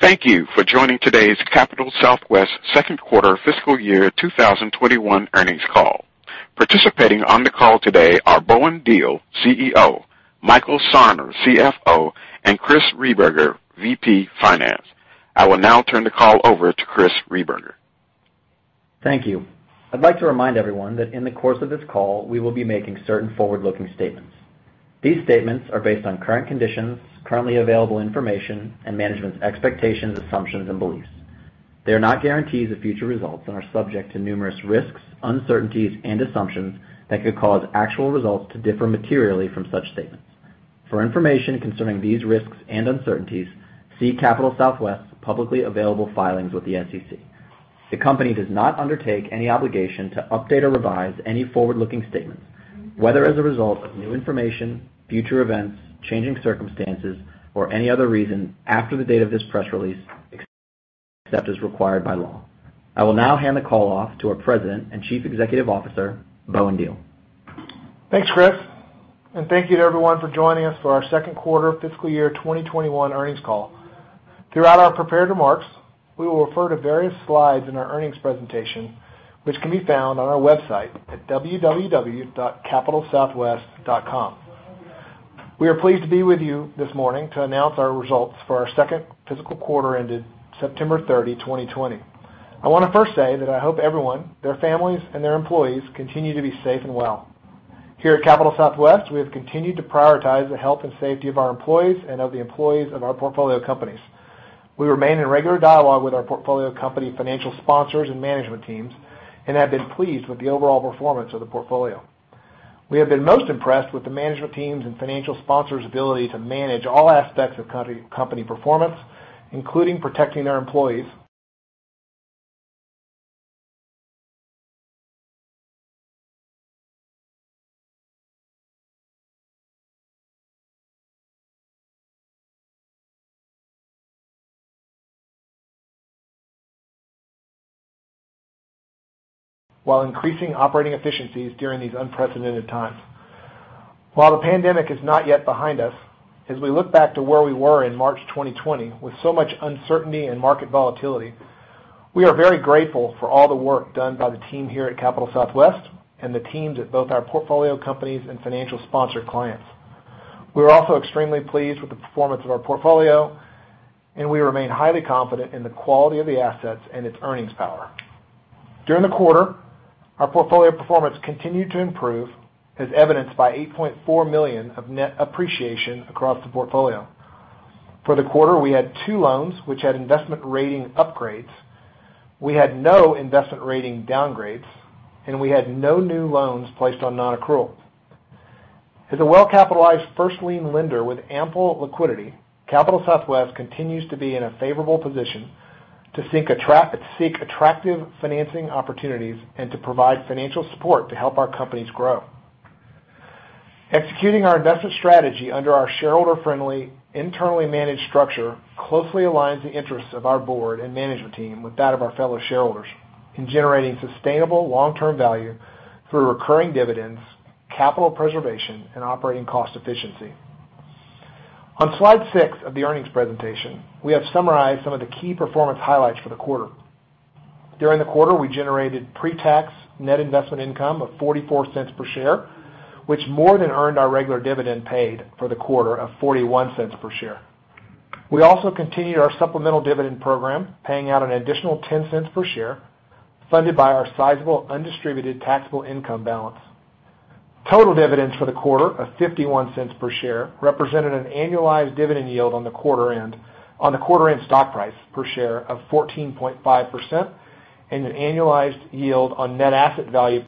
Thank you for joining today's Capital Southwest Q2 FY 2021 Earnings Call. Participating on the call today are Bowen Diehl, CEO, Michael Sarner, CFO, and Chris Rehberger, VP, Finance. I will now turn the call over to Chris Rehberger. Thank you. I'd like to remind everyone that in the course of this call, we will be making certain forward-looking statements. These statements are based on current conditions, currently available information, and management's expectations, assumptions, and beliefs. They are not guarantees of future results and are subject to numerous risks, uncertainties, and assumptions that could cause actual results to differ materially from such statements. For information concerning these risks and uncertainties, see Capital Southwest's publicly available filings with the SEC. The company does not undertake any obligation to update or revise any forward-looking statements, whether as a result of new information, future events, changing circumstances, or any other reason after the date of this press release, except as required by law. I will now hand the call off to our President and Chief Executive Officer, Bowen Diehl. Thanks, Chris, and thank you to everyone for joining us for our Q2 FY 2021 Earnings Call. Throughout our prepared remarks, we will refer to various slides in our earnings presentation, which can be found on our website at www.capitalsouthwest.com. We are pleased to be with you this morning to announce our results for our second physical quarter ended September 30, 2020. I want to first say that I hope everyone, their families, and their employees continue to be safe and well. Here at Capital Southwest, we have continued to prioritize the health and safety of our employees and of the employees of our portfolio companies. We remain in regular dialogue with our portfolio company financial sponsors and management teams and have been pleased with the overall performance of the portfolio. We have been most impressed with the management teams' and financial sponsors' ability to manage all aspects of company performance, including protecting their employees while increasing operating efficiencies during these unprecedented times. While the pandemic is not yet behind us, as we look back to where we were in March 2020 with so much uncertainty and market volatility, we are very grateful for all the work done by the team here at Capital Southwest and the teams at both our portfolio companies and financial sponsor clients. We are also extremely pleased with the performance of our portfolio, and we remain highly confident in the quality of the assets and its earnings power. During the quarter, our portfolio performance continued to improve, as evidenced by $8.4 million of net appreciation across the portfolio. For the quarter, we had two loans which had investment rating upgrades, we had no investment rating downgrades, and we had no new loans placed on non-accrual. As a well-capitalized first-lien lender with ample liquidity, Capital Southwest continues to be in a favorable position to seek attractive financing opportunities and to provide financial support to help our companies grow. Executing our investment strategy under our shareholder-friendly, internally managed structure closely aligns the interests of our board and management team with that of our fellow shareholders in generating sustainable long-term value through recurring dividends, capital preservation, and operating cost efficiency. On slide six of the earnings presentation, we have summarized some of the key performance highlights for the quarter. During the quarter, we generated pre-tax Net Investment Income of $0.44 per share, which more than earned our regular dividend paid for the quarter of $0.41 per share. We also continued our supplemental dividend program, paying out an additional $0.10 per share, funded by our sizable undistributed taxable income balance. Total dividends for the quarter of $0.51 per share represented an annualized dividend yield on the quarter end stock price per share of 14.5% and an annualized yield on net asset value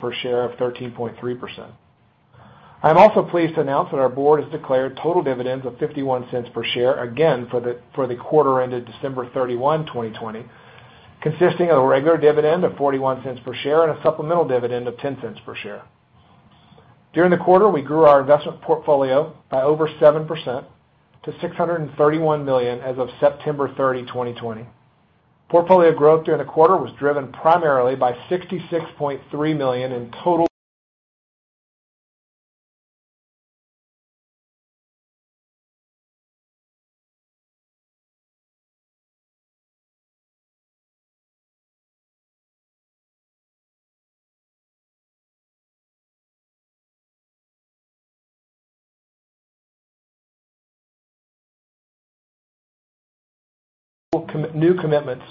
per share of 13.3%. I'm also pleased to announce that our board has declared total dividends of $0.51 per share again for the quarter ended December 31, 2020, consisting of a regular dividend of $0.41 per share and a supplemental dividend of $0.10 per share. During the quarter, we grew our investment portfolio by over 7% to $631 million as of September 30, 2020. Portfolio growth during the quarter was driven primarily by $66.3 million in total new commitments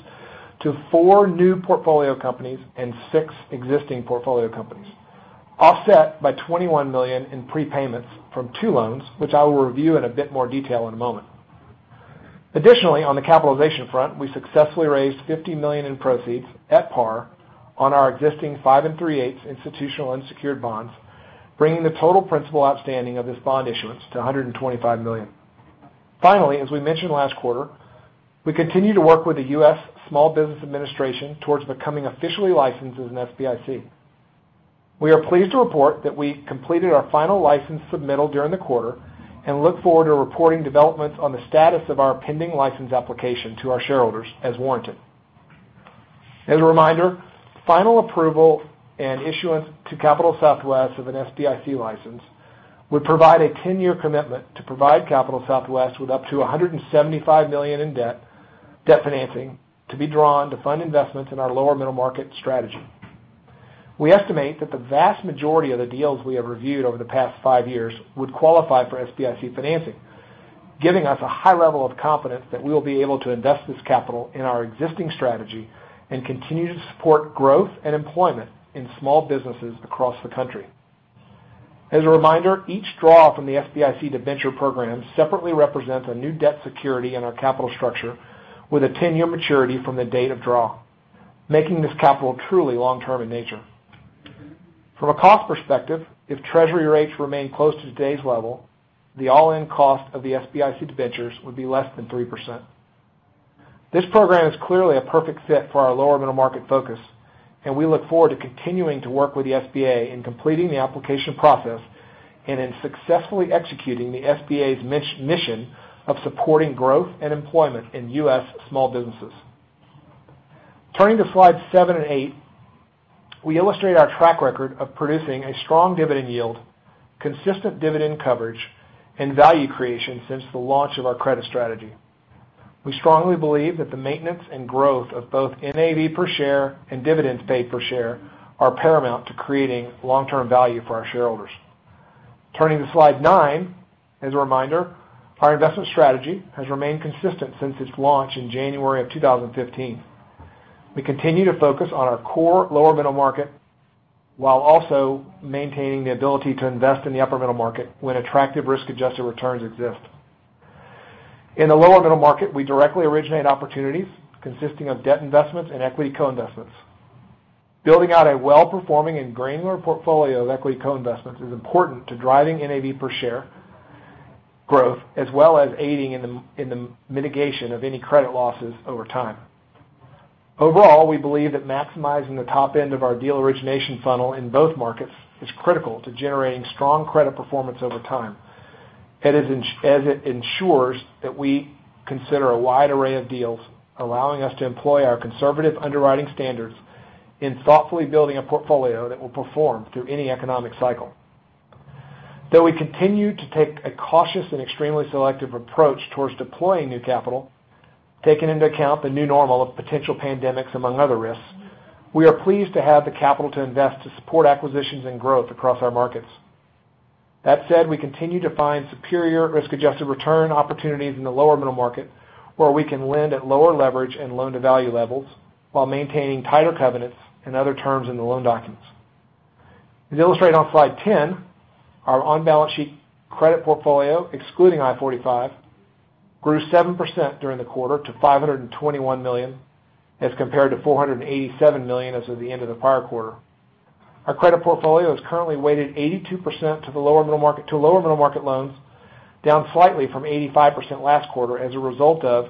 to four new portfolio companies and six existing portfolio companies, offset by $21 million in prepayments from two loans, which I will review in a bit more detail in a moment. Additionally, on the capitalization front, we successfully raised $50 million in proceeds at par on our existing five and three-eighths institutional unsecured bonds, bringing the total principal outstanding of this bond issuance to $125 million. Finally, as we mentioned last quarter, we continue to work with the U.S. Small Business Administration towards becoming officially licensed as an SBIC. We are pleased to report that we completed our final license submittal during the quarter and look forward to reporting developments on the status of our pending license application to our shareholders as warranted. As a reminder, final approval and issuance to Capital Southwest of an SBIC license would provide a 10-year commitment to provide Capital Southwest with up to $175 million in debt financing to be drawn to fund investments in our lower middle market strategy. We estimate that the vast majority of the deals we have reviewed over the past five years would qualify for SBIC financing, giving us a high level of confidence that we will be able to invest this capital in our existing strategy and continue to support growth and employment in small businesses across the country. As a reminder, each draw from the SBIC debenture program separately represents a new debt security in our capital structure with a 10-year maturity from the date of draw, making this capital truly long-term in nature. From a cost perspective, if treasury rates remain close to today's level, the all-in cost of the SBIC debentures would be less than 3%. This program is clearly a perfect fit for our lower middle market focus, we look forward to continuing to work with the SBA in completing the application process and in successfully executing the SBA's mission of supporting growth and employment in U.S. small businesses. Turning to slides seven and eight, we illustrate our track record of producing a strong dividend yield, consistent dividend coverage, and value creation since the launch of our credit strategy. We strongly believe that the maintenance and growth of both NAV per share and dividends paid per share are paramount to creating long-term value for our shareholders. Turning to slide nine, as a reminder, our investment strategy has remained consistent since its launch in January of 2015. We continue to focus on our core lower middle market while also maintaining the ability to invest in the upper middle market when attractive risk-adjusted returns exist. In the lower middle market, we directly originate opportunities consisting of debt investments and equity co-investments. Building out a well-performing and granular portfolio of equity co-investments is important to driving NAV per share growth as well as aiding in the mitigation of any credit losses over time. Overall, we believe that maximizing the top end of our deal origination funnel in both markets is critical to generating strong credit performance over time as it ensures that we consider a wide array of deals, allowing us to employ our conservative underwriting standards in thoughtfully building a portfolio that will perform through any economic cycle. Though we continue to take a cautious and extremely selective approach towards deploying new capital, taking into account the new normal of potential pandemics among other risks, we are pleased to have the capital to invest to support acquisitions and growth across our markets. That said, we continue to find superior risk-adjusted return opportunities in the lower middle market, where we can lend at lower leverage and loan-to-value levels while maintaining tighter covenants and other terms in the loan documents. As illustrated on slide 10, our on-balance sheet credit portfolio, excluding I-45, grew 7% during the quarter to $521 million as compared to $487 million as of the end of the prior quarter. Our credit portfolio is currently weighted 82% to lower middle market loans, down slightly from 85% last quarter as a result of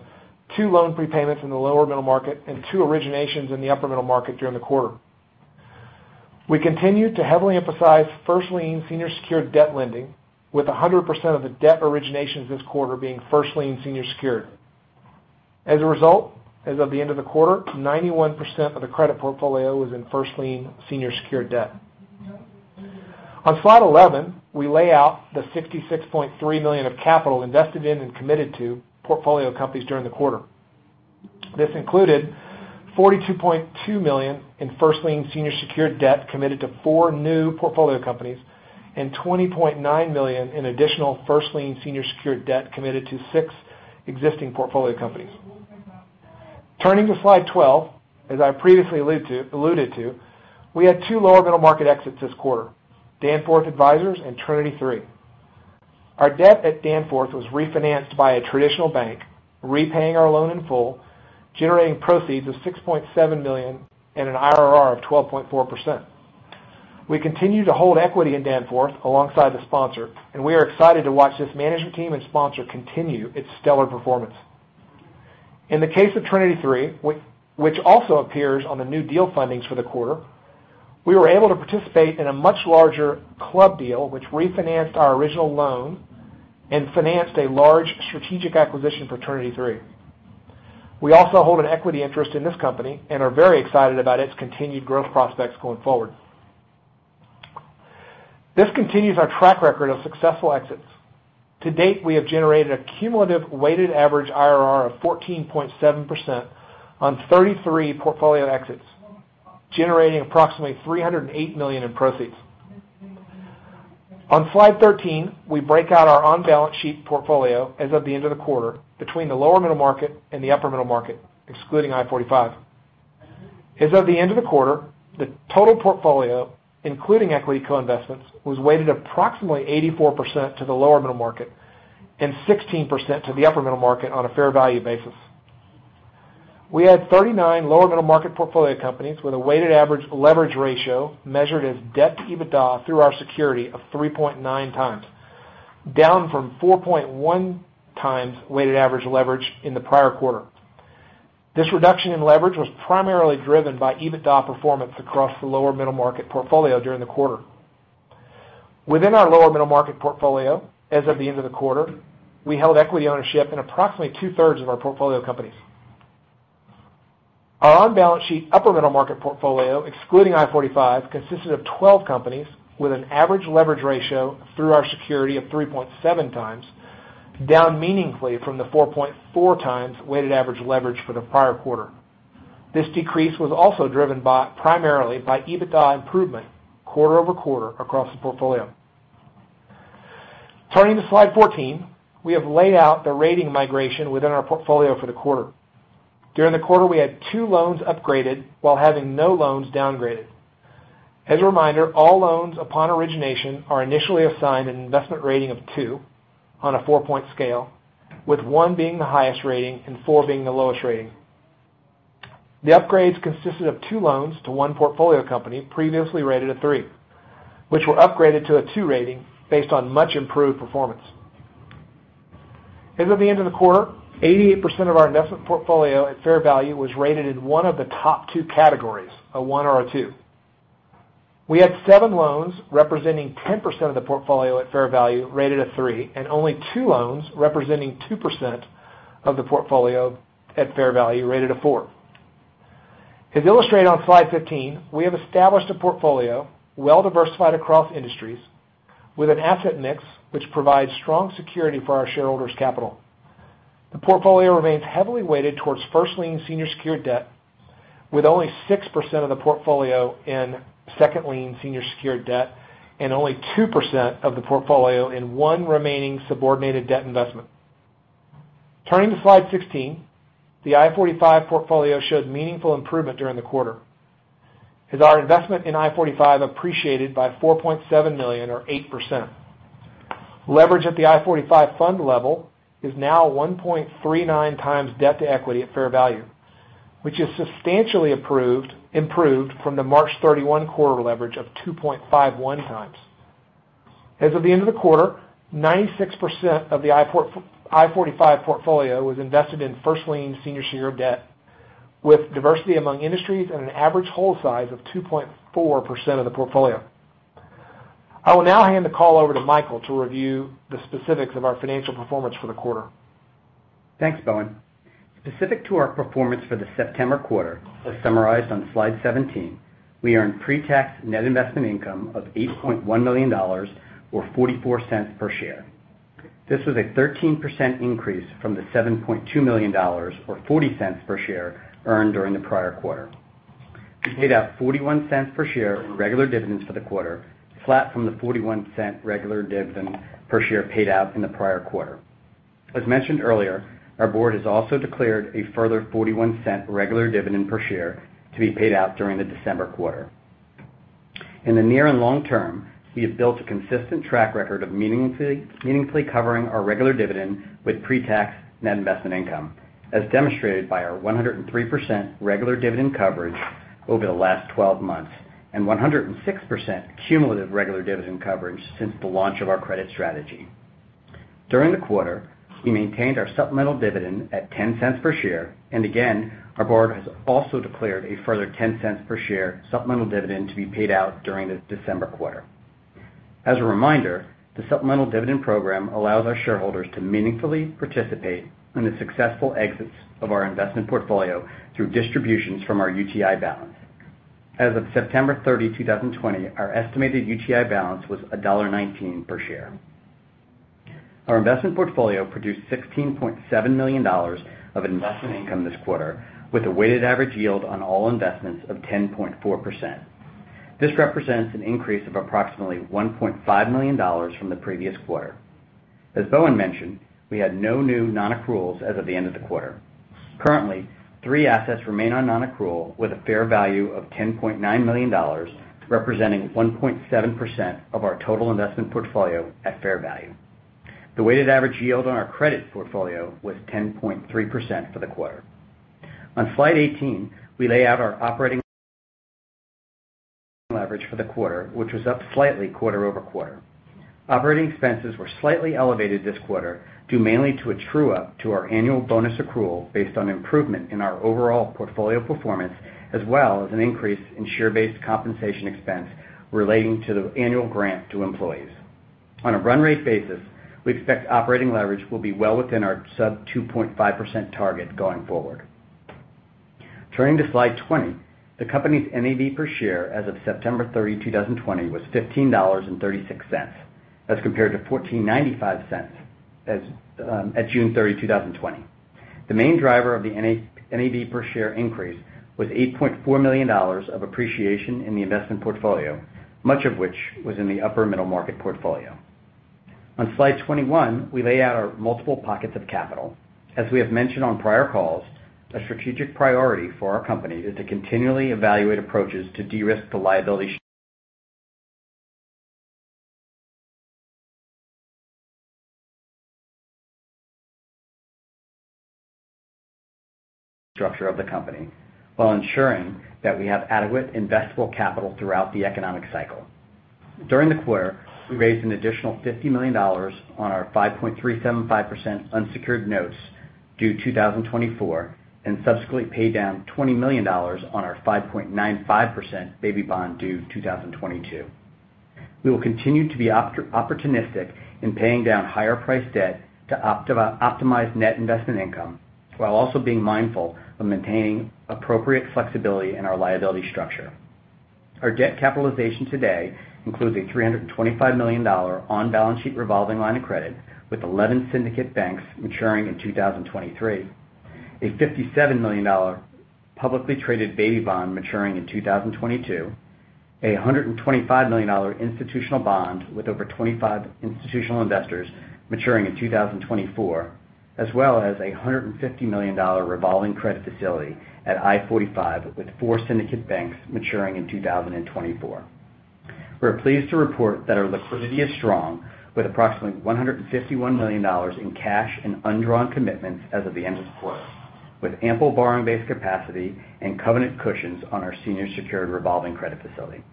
two loan prepayments in the lower middle market and two originations in the upper middle market during the quarter. We continue to heavily emphasize first lien senior secured debt lending with 100% of the debt originations this quarter being first lien senior secured. As a result, as of the end of the quarter, 91% of the credit portfolio was in first lien senior secured debt. On slide 11, we lay out the $66.3 million of capital invested in and committed to portfolio companies during the quarter. This included $42.2 million in first lien senior secured debt committed to four new portfolio companies and $20.9 million in additional first lien senior secured debt committed to six existing portfolio companies. Turning to slide 12, as I previously alluded to, we had two lower middle market exits this quarter, Danforth Advisors and Trinity3. Our debt at Danforth was refinanced by a traditional bank, repaying our loan in full, generating proceeds of $6.7 million and an IRR of 12.4%. We continue to hold equity in Danforth alongside the sponsor, and we are excited to watch this management team and sponsor continue its stellar performance. In the case of Trinity3, which also appears on the new deal fundings for the quarter, we were able to participate in a much larger club deal which refinanced our original loan and financed a large strategic acquisition for Trinity3. We also hold an equity interest in this company and are very excited about its continued growth prospects going forward. This continues our track record of successful exits. To date, we have generated a cumulative weighted average IRR of 14.7% on 33 portfolio exits, generating approximately $308 million in proceeds. On slide 13, we break out our on-balance sheet portfolio as of the end of the quarter between the lower middle market and the upper middle market, excluding I-45. As of the end of the quarter, the total portfolio, including equity co-investments, was weighted approximately 84% to the lower middle market and 16% to the upper middle market on a fair value basis. We had 39 lower middle market portfolio companies with a weighted average leverage ratio measured as debt to EBITDA through our security of 3.9 times, down from 4.1 times weighted average leverage in the prior quarter. This reduction in leverage was primarily driven by EBITDA performance across the lower middle market portfolio during the quarter. Within our lower middle market portfolio, as of the end of the quarter, we held equity ownership in approximately two-thirds of our portfolio companies. Our on-balance sheet upper middle market portfolio, excluding I-45, consisted of 12 companies with an average leverage ratio through our security of 3.7 times, down meaningfully from the 4.4 times weighted average leverage for the prior quarter. This decrease was also driven primarily by EBITDA improvement quarter-over-quarter across the portfolio. Turning to slide 14, we have laid out the rating migration within our portfolio for the quarter. During the quarter, we had two loans upgraded while having no loans downgraded. As a reminder, all loans upon origination are initially assigned an an investment rating of two on a four-point scale, with one being the highest rating and four being the lowest rating. The upgrades consisted of two loans to one portfolio company previously rated a three, which were upgraded to a two rating based on much improved performance. As of the end of the quarter, 88% of our investment portfolio at fair value was rated in one of the top two categories, a one or a two. We had seven loans representing 10% of the portfolio at fair value rated a three and only two loans representing 2% of the portfolio at fair value rated a four. As illustrated on slide 15, we have established a portfolio well-diversified across industries with an asset mix which provides strong security for our shareholders' capital. The portfolio remains heavily weighted towards first-lien senior secured debt with only 6% of the portfolio in second-lien senior secured debt and only 2% of the portfolio in one remaining subordinated debt investment. Turning to slide 16, the I-45 portfolio shows meaningful improvement during the quarter, as our investment in I-45 appreciated by $4.7 million or 8%. Leverage at the I-45 fund level is now 1.39 times debt to equity at fair value, which has substantially improved from the March 31 quarter leverage of 2.51 times. As of the end of the quarter, 96% of the I-45 portfolio was invested in first-lien senior secured debt with diversity among industries and an average hold size of 2.4% of the portfolio. I will now hand the call over to Michael to review the specifics of our financial performance for the quarter. Thanks, Bowen. Specific to our performance for the September quarter, as summarized on slide 17, we earned pre-tax net investment income of $8.1 million, or $0.44 per share. This was a 13% increase from the $7.2 million or $0.40 per share earned during the prior quarter. We paid out $0.41 per share in regular dividends for the quarter, flat from the $0.41 regular dividend per share paid out in the prior quarter. As mentioned earlier, our board has also declared a further $0.41 regular dividend per share to be paid out during the December quarter. In the near and long term, we have built a consistent track record of meaningfully covering our regular dividend with pre-tax net investment income, as demonstrated by our 103% regular dividend coverage over the last 12 months and 106% cumulative regular dividend coverage since the launch of our credit strategy. During the quarter, we maintained our supplemental dividend at $0.10 per share. Again, our board has also declared a further $0.10 per share supplemental dividend to be paid out during the December quarter. As a reminder, the supplemental dividend program allows our shareholders to meaningfully participate in the successful exits of our investment portfolio through distributions from our UTI balance. As of September 30, 2020, our estimated UTI balance was $1.19 per share. Our investment portfolio produced $16.7 million of investment income this quarter, with a weighted average yield on all investments of 10.4%. This represents an increase of approximately $1.5 million from the previous quarter. As Bowen mentioned, we had no new non-accruals as of the end of the quarter. Currently, three assets remain on non-accrual with a fair value of $10.9 million, representing 1.7% of our total investment portfolio at fair value. The weighted average yield on our credit portfolio was 10.3% for the quarter. On slide 18, we lay out our operating leverage for the quarter, which was up slightly quarter-over-quarter. Operating expenses were slightly elevated this quarter, due mainly to a true-up to our annual bonus accrual based on improvement in our overall portfolio performance, as well as an increase in share-based compensation expense relating to the annual grant to employees. On a run rate basis, we expect operating leverage will be well within our sub 2.5% target going forward. Turning to slide 20, the company's NAV per share as of September 30, 2020, was $15.36 as compared to $14.95 at June 30, 2020. The main driver of the NAV per share increase was $8.4 million of appreciation in the investment portfolio, much of which was in the upper middle market portfolio. On slide 21, we lay out our multiple pockets of capital. As we have mentioned on prior calls, a strategic priority for our company is to continually evaluate approaches to de-risk the liability structure of the company while ensuring that we have adequate investable capital throughout the economic cycle. During the quarter, we raised an additional $50 million on our 5.375% unsecured notes due 2024 and subsequently paid down $20 million on our 5.95% baby bond due 2022. We will continue to be opportunistic in paying down higher priced debt to optimize net investment income while also being mindful of maintaining appropriate flexibility in our liability structure. Our debt capitalization today includes a $325 million on-balance sheet revolving line of credit with 11 syndicate banks maturing in 2023, a $57 million publicly traded baby bond maturing in 2022, a $125 million institutional bond with over 25 institutional investors maturing in 2024, as well as a $150 million revolving credit facility at I-45 with four syndicate banks maturing in 2024. We're pleased to report that our liquidity is strong with approximately $151 million in cash and undrawn commitments as of the end of the quarter, with ample borrowing-based capacity and covenant cushions on our senior secured revolving credit facility.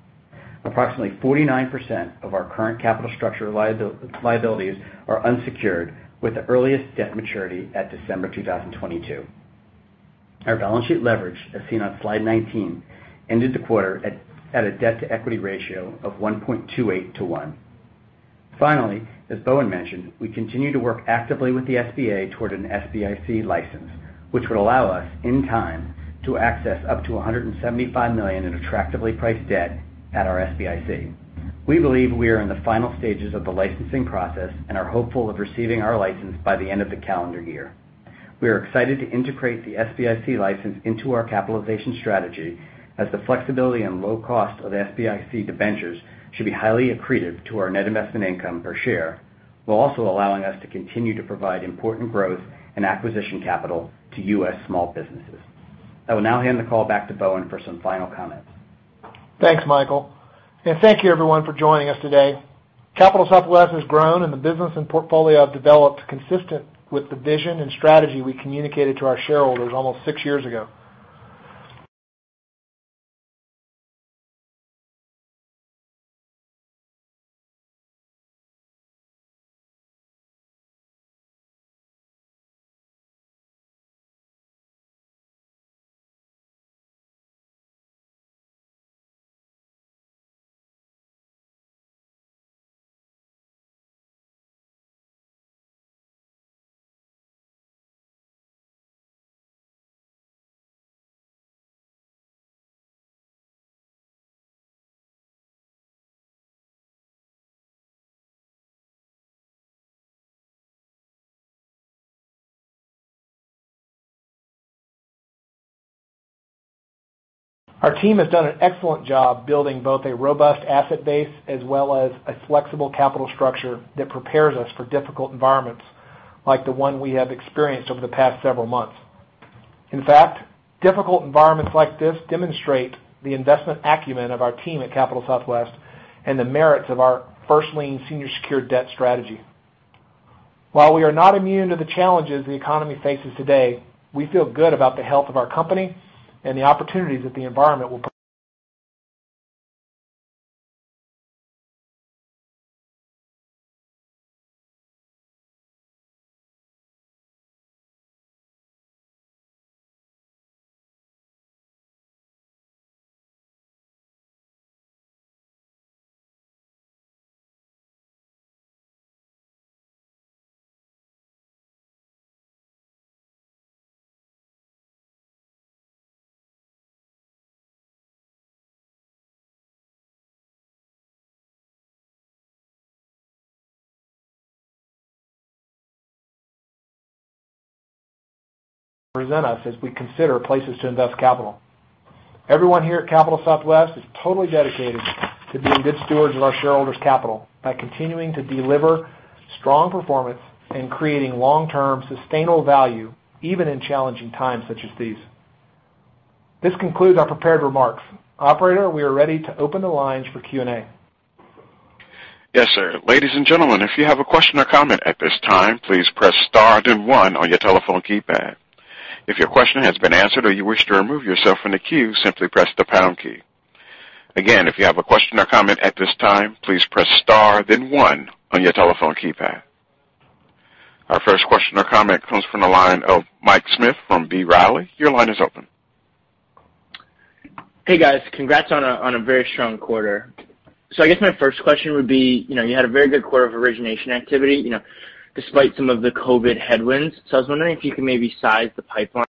Approximately 49% of our current capital structure liabilities are unsecured with the earliest debt maturity at December 2022. Our balance sheet leverage, as seen on slide 19, ended the quarter at a debt-to-equity ratio of 1.28 to one. Finally, as Bowen mentioned, we continue to work actively with the SBA toward an SBIC license, which would allow us, in time, to access up to $175 million in attractively priced debt at our SBIC. We believe we are in the final stages of the licensing process and are hopeful of receiving our license by the end of the calendar year. We are excited to integrate the SBIC license into our capitalization strategy as the flexibility and low cost of SBIC debentures should be highly accretive to our net investment income per share, while also allowing us to continue to provide important growth and acquisition capital to U.S. small businesses. I will now hand the call back to Bowen for some final comments. Thanks, Michael. Thank you everyone for joining us today. Capital Southwest has grown, and the business and portfolio have developed consistent with the vision and strategy we communicated to our shareholders almost six years ago. Our team has done an excellent job building both a robust asset base as well as a flexible capital structure that prepares us for difficult environments like the one we have experienced over the past several months. In fact, difficult environments like this demonstrate the investment acumen of our team at Capital Southwest and the merits of our first lien senior secured debt strategy. While we are not immune to the challenges the economy faces today, we feel good about the health of our company and the opportunities that the environment will present us as we consider places to invest capital. Everyone here at Capital Southwest is totally dedicated to being good stewards of our shareholders' capital by continuing to deliver strong performance and creating long-term sustainable value, even in challenging times such as these. This concludes our prepared remarks. Operator, we are ready to open the lines for Q&A. Yes, sir. Ladies and gentlemen, if you have a question or comment at this time, please press star then one on your telephone keypad. If your question has been answered or you wish to remove yourself from the queue, simply press the pound key. Again, if you have a question or comment at this time, please press star then one on your telephone keypad. Our first question or comment comes from the line of Michael Smith from B. Riley. Your line is open. Hey, guys. Congrats on a very strong quarter. I guess my first question would be, you had a very good quarter of origination activity, despite some of the COVID headwinds. I was wondering if you could maybe size the pipeline.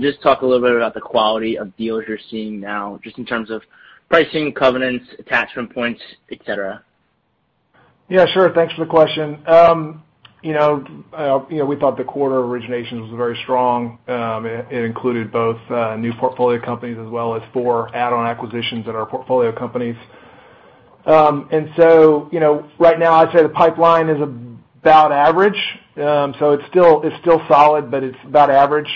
Just talk a little bit about the quality of deals you're seeing now, just in terms of pricing, covenants, attachment points, et cetera. Yeah, sure. Thanks for the question. We thought the quarter origination was very strong. It included both new portfolio companies as well as four add-on acquisitions in our portfolio companies. Right now, I'd say the pipeline is about average. It's still solid, but it's about average.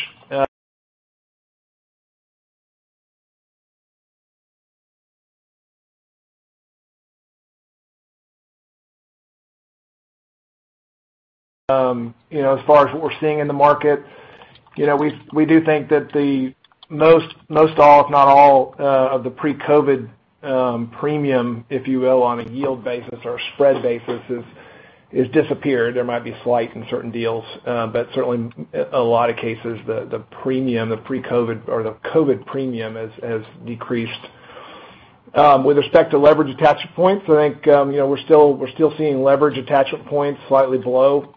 As far as what we're seeing in the market, we do think that the most all, if not all, of the pre-COVID premium, if you will, on a yield basis or a spread basis, has disappeared. There might be slight in certain deals. Certainly a lot of cases, the COVID premium has decreased. With respect to leverage attachment points, I think, we're still seeing leverage attachment points slightly below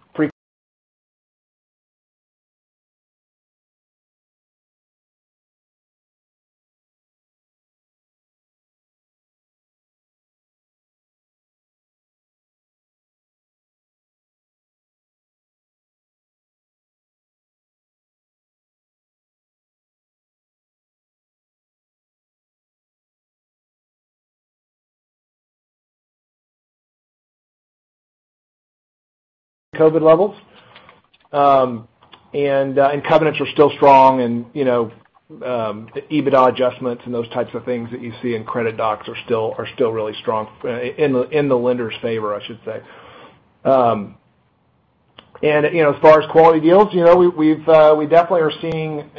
pre-COVID levels. Covenants are still strong, and EBITDA adjustments and those types of things that you see in credit docs are still really strong, in the lender's favor, I should say. As far as quality deals, we definitely are seeing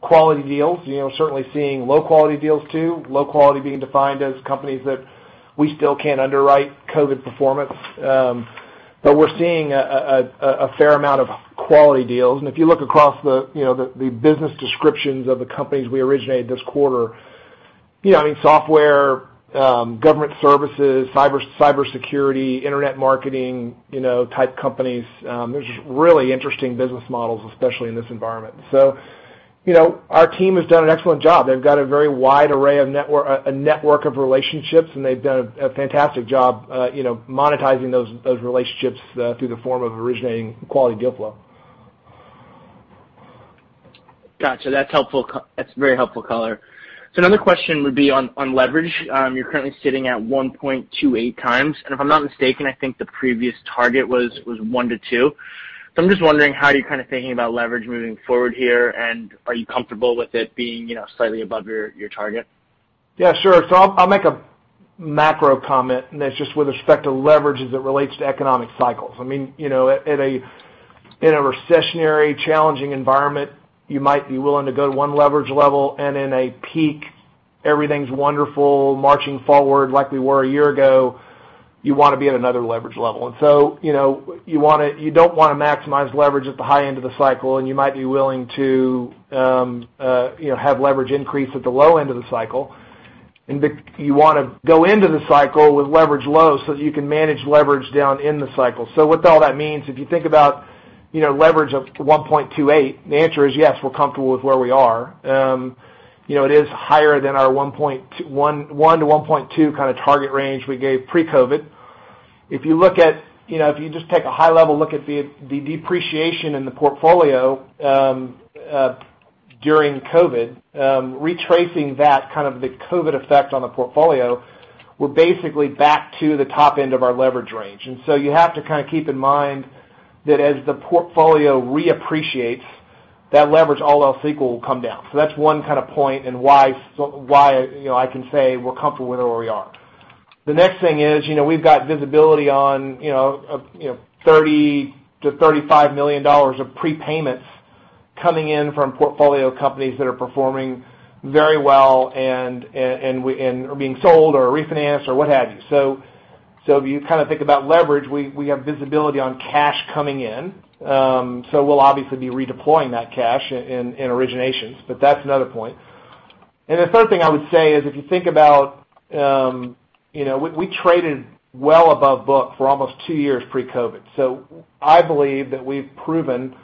quality deals. Certainly seeing low-quality deals too. Low quality being defined as companies that we still can't underwrite COVID performance. We're seeing a fair amount of quality deals. If you look across the business descriptions of the companies we originated this quarter, I mean, software, government services, cybersecurity, Internet marketing type companies. There's just really interesting business models, especially in this environment. Our team has done an excellent job. They've got a very wide array of a network of relationships, and they've done a fantastic job monetizing those relationships through the form of originating quality deal flow. Got you. That's very helpful color. Another question would be on leverage. You're currently sitting at 1.28 times, and if I'm not mistaken, I think the previous target was one to two. I'm just wondering how you're thinking about leverage moving forward here, and are you comfortable with it being slightly above your target? Yeah, sure. I'll make a macro comment, and that's just with respect to leverage as it relates to economic cycles. In a recessionary, challenging environment, you might be willing to go to one leverage level, and in a peak, everything's wonderful, marching forward like we were a year ago, you want to be at another leverage level. You don't want to maximize leverage at the high end of the cycle, and you might be willing to have leverage increase at the low end of the cycle. You want to go into the cycle with leverage low so that you can manage leverage down in the cycle. What all that means, if you think about leverage of 1.28, the answer is yes, we're comfortable with where we are. It is higher than our one to 1.2 target range we gave pre-COVID. If you just take a high-level look at the depreciation in the portfolio during COVID, retracing that, kind of the COVID effect on the portfolio, we're basically back to the top end of our leverage range. You have to keep in mind that as the portfolio reappreciates, that leverage, all else equal, will come down. That's one point and why I can say we're comfortable with where we are. The next thing is, we've got visibility on $30 million to $35 million of prepayments coming in from portfolio companies that are performing very well and are being sold or refinanced or what have you. If you think about leverage, we have visibility on cash coming in. We'll obviously be redeploying that cash in originations, but that's another point. The third thing I would say is if you think about, we traded well above book for almost two years pre-COVID. I believe that we've proven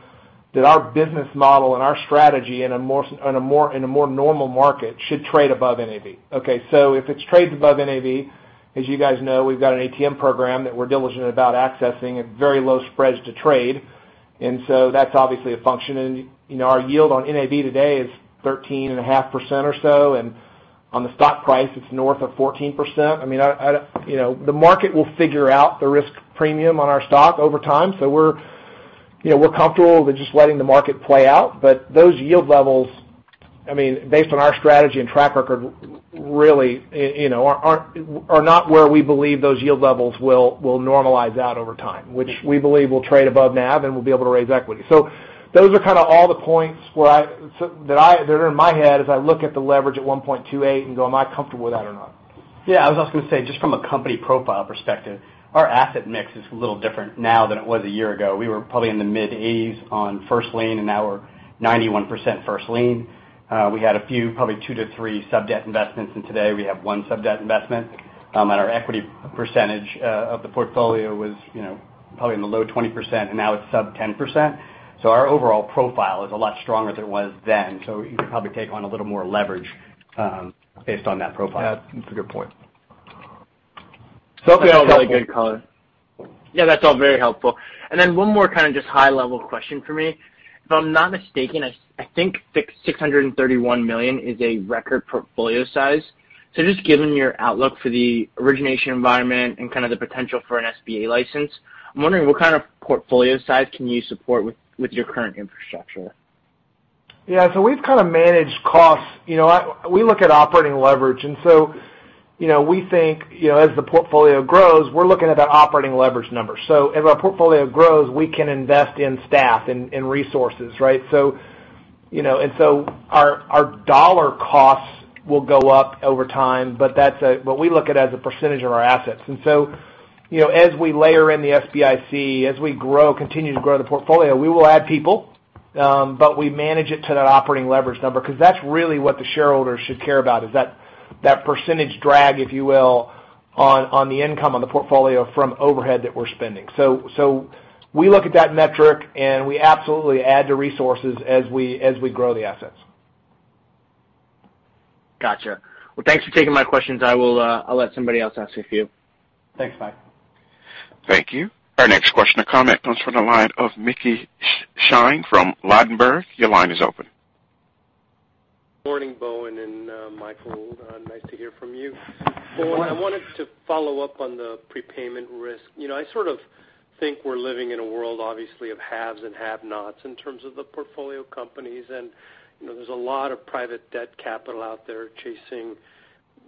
that our business model and our strategy in a more normal market should trade above NAV. Okay, if it trades above NAV, as you guys know, we've got an ATM program that we're diligent about accessing at very low spreads to trade. That's obviously a function. Our yield on NAV today is 13.5% or so, and on the stock price, it's north of 14%. The market will figure out the risk premium on our stock over time. We're comfortable with just letting the market play out. Those yield levels, based on our strategy and track record, really are not where we believe those yield levels will normalize out over time, which we believe will trade above NAV, and we'll be able to raise equity. Those are all the points that are in my head as I look at the leverage at 1.28 and go, am I comfortable with that or not? Yeah, I was also going to say, just from a company profile perspective, our asset mix is a little different now than it was one year ago. We were probably in the mid-80s on first lien, Now we're 91% first lien. We had a few, probably two to three sub-debt investments. Today we have one sub-debt investment. Our equity percentage of the portfolio was probably in the low 20%. Now it's sub 10%. Our overall profile is a lot stronger than it was then. You could probably take on a little more leverage based on that profile. Yeah, that's a good point. Those are all really good color. Yeah, that's all very helpful. One more kind of just high-level question for me. If I'm not mistaken, I think $631 million is a record portfolio size. Just given your outlook for the origination environment and the potential for an SBA license, I'm wondering what kind of portfolio size can you support with your current infrastructure? Yeah. We've kind of managed costs. We look at operating leverage, we think as the portfolio grows, we're looking at that operating leverage number. As our portfolio grows, we can invest in staff and resources, right? Our dollar costs will go up over time, but that's what we look at as a percentage of our assets. As we layer in the SBIC, as we continue to grow the portfolio, we will add people, but we manage it to that operating leverage number, because that's really what the shareholders should care about, is that percentage drag, if you will, on the income on the portfolio from overhead that we're spending. We look at that metric, and we absolutely add to resources as we grow the assets. Got you. Thanks for taking my questions. I'll let somebody else ask a few. Thanks, Michael. Thank you. Our next question or comment comes from the line of Mickey Schleien from Ladenburg. Your line is open. Morning, Bowen and Michael. Nice to hear from you. Bowen, I wanted to follow up on the prepayment risk. I sort of think we're living in a world, obviously, of haves and have-nots in terms of the portfolio companies, and there's a lot of private debt capital out there chasing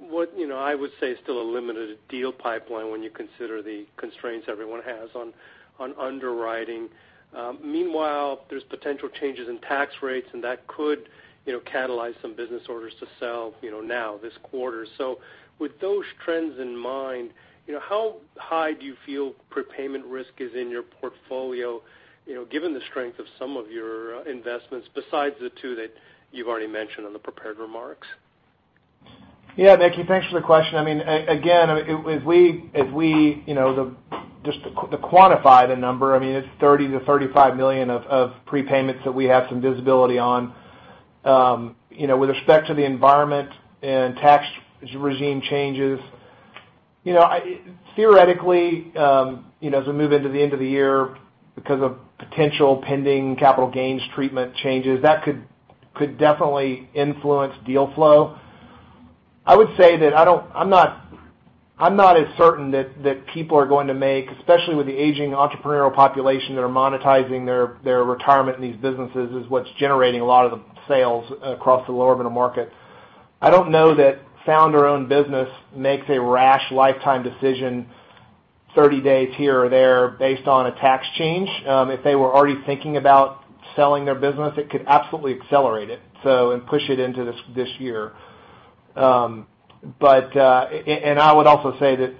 what I would say is still a limited deal pipeline when you consider the constraints everyone has on underwriting. Meanwhile, there's potential changes in tax rates, and that could catalyze some business owners to sell now this quarter. With those trends in mind, how high do you feel prepayment risk is in your portfolio given the strength of some of your investments besides the two that you've already mentioned on the prepared remarks? Yeah, Mickey, thanks for the question. Just to quantify the number, it's $30 million to $35 million of prepayments that we have some visibility on. With respect to the environment and tax regime changes, theoretically, as we move into the end of the year, because of potential pending capital gains treatment changes, that could definitely influence deal flow. I would say that I'm not as certain that people are going to make, especially with the aging entrepreneurial population that are monetizing their retirement in these businesses is what's generating a lot of the sales across the lower middle market. I don't know that founder-owned business makes a rash lifetime decision 30 days here or there based on a tax change. If they were already thinking about selling their business, it could absolutely accelerate it and push it into this year. I would also say that,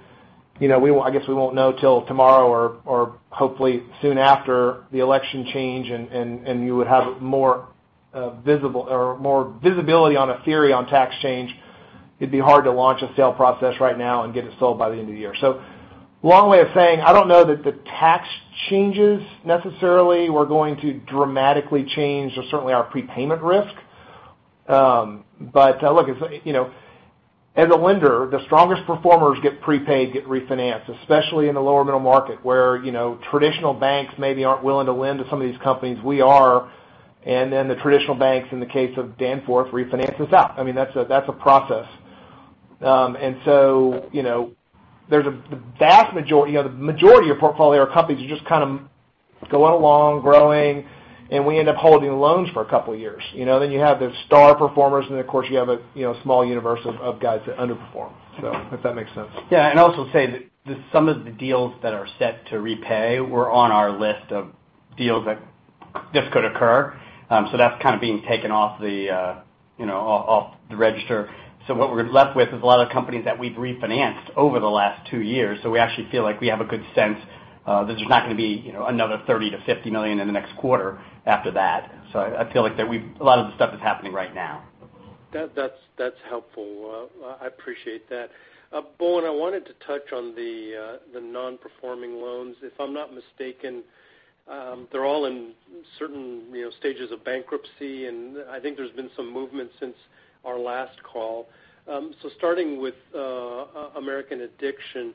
I guess we won't know till tomorrow or hopefully soon after the election change, you would have more visibility on a theory on tax change. It'd be hard to launch a sale process right now and get it sold by the end of the year. Long way of saying, I don't know that the tax changes necessarily were going to dramatically change or certainly our prepayment risk. Look, as a lender, the strongest performers get prepaid, get refinanced, especially in the lower middle market, where traditional banks maybe aren't willing to lend to some of these companies. We are, the traditional banks, in the case of Danforth, refinance us out. That's a process. The majority of portfolio companies are just kind of going along, growing, and we end up holding loans for a couple of years. You have the star performers, and then, of course, you have a small universe of guys that underperform. If that makes sense. Yeah, I'll also say that some of the deals that are set to repay were on our list of deals that this could occur. That's kind of being taken off the register. What we're left with is a lot of companies that we've refinanced over the last two years. We actually feel like we have a good sense that there's not going to be another $30 million-$50 million in the next quarter after that. I feel like a lot of the stuff is happening right now. That's helpful. I appreciate that. Bowen, I wanted to touch on the non-performing loans. If I'm not mistaken, they're all in certain stages of bankruptcy, and I think there's been some movement since our last call. Starting with American Addiction,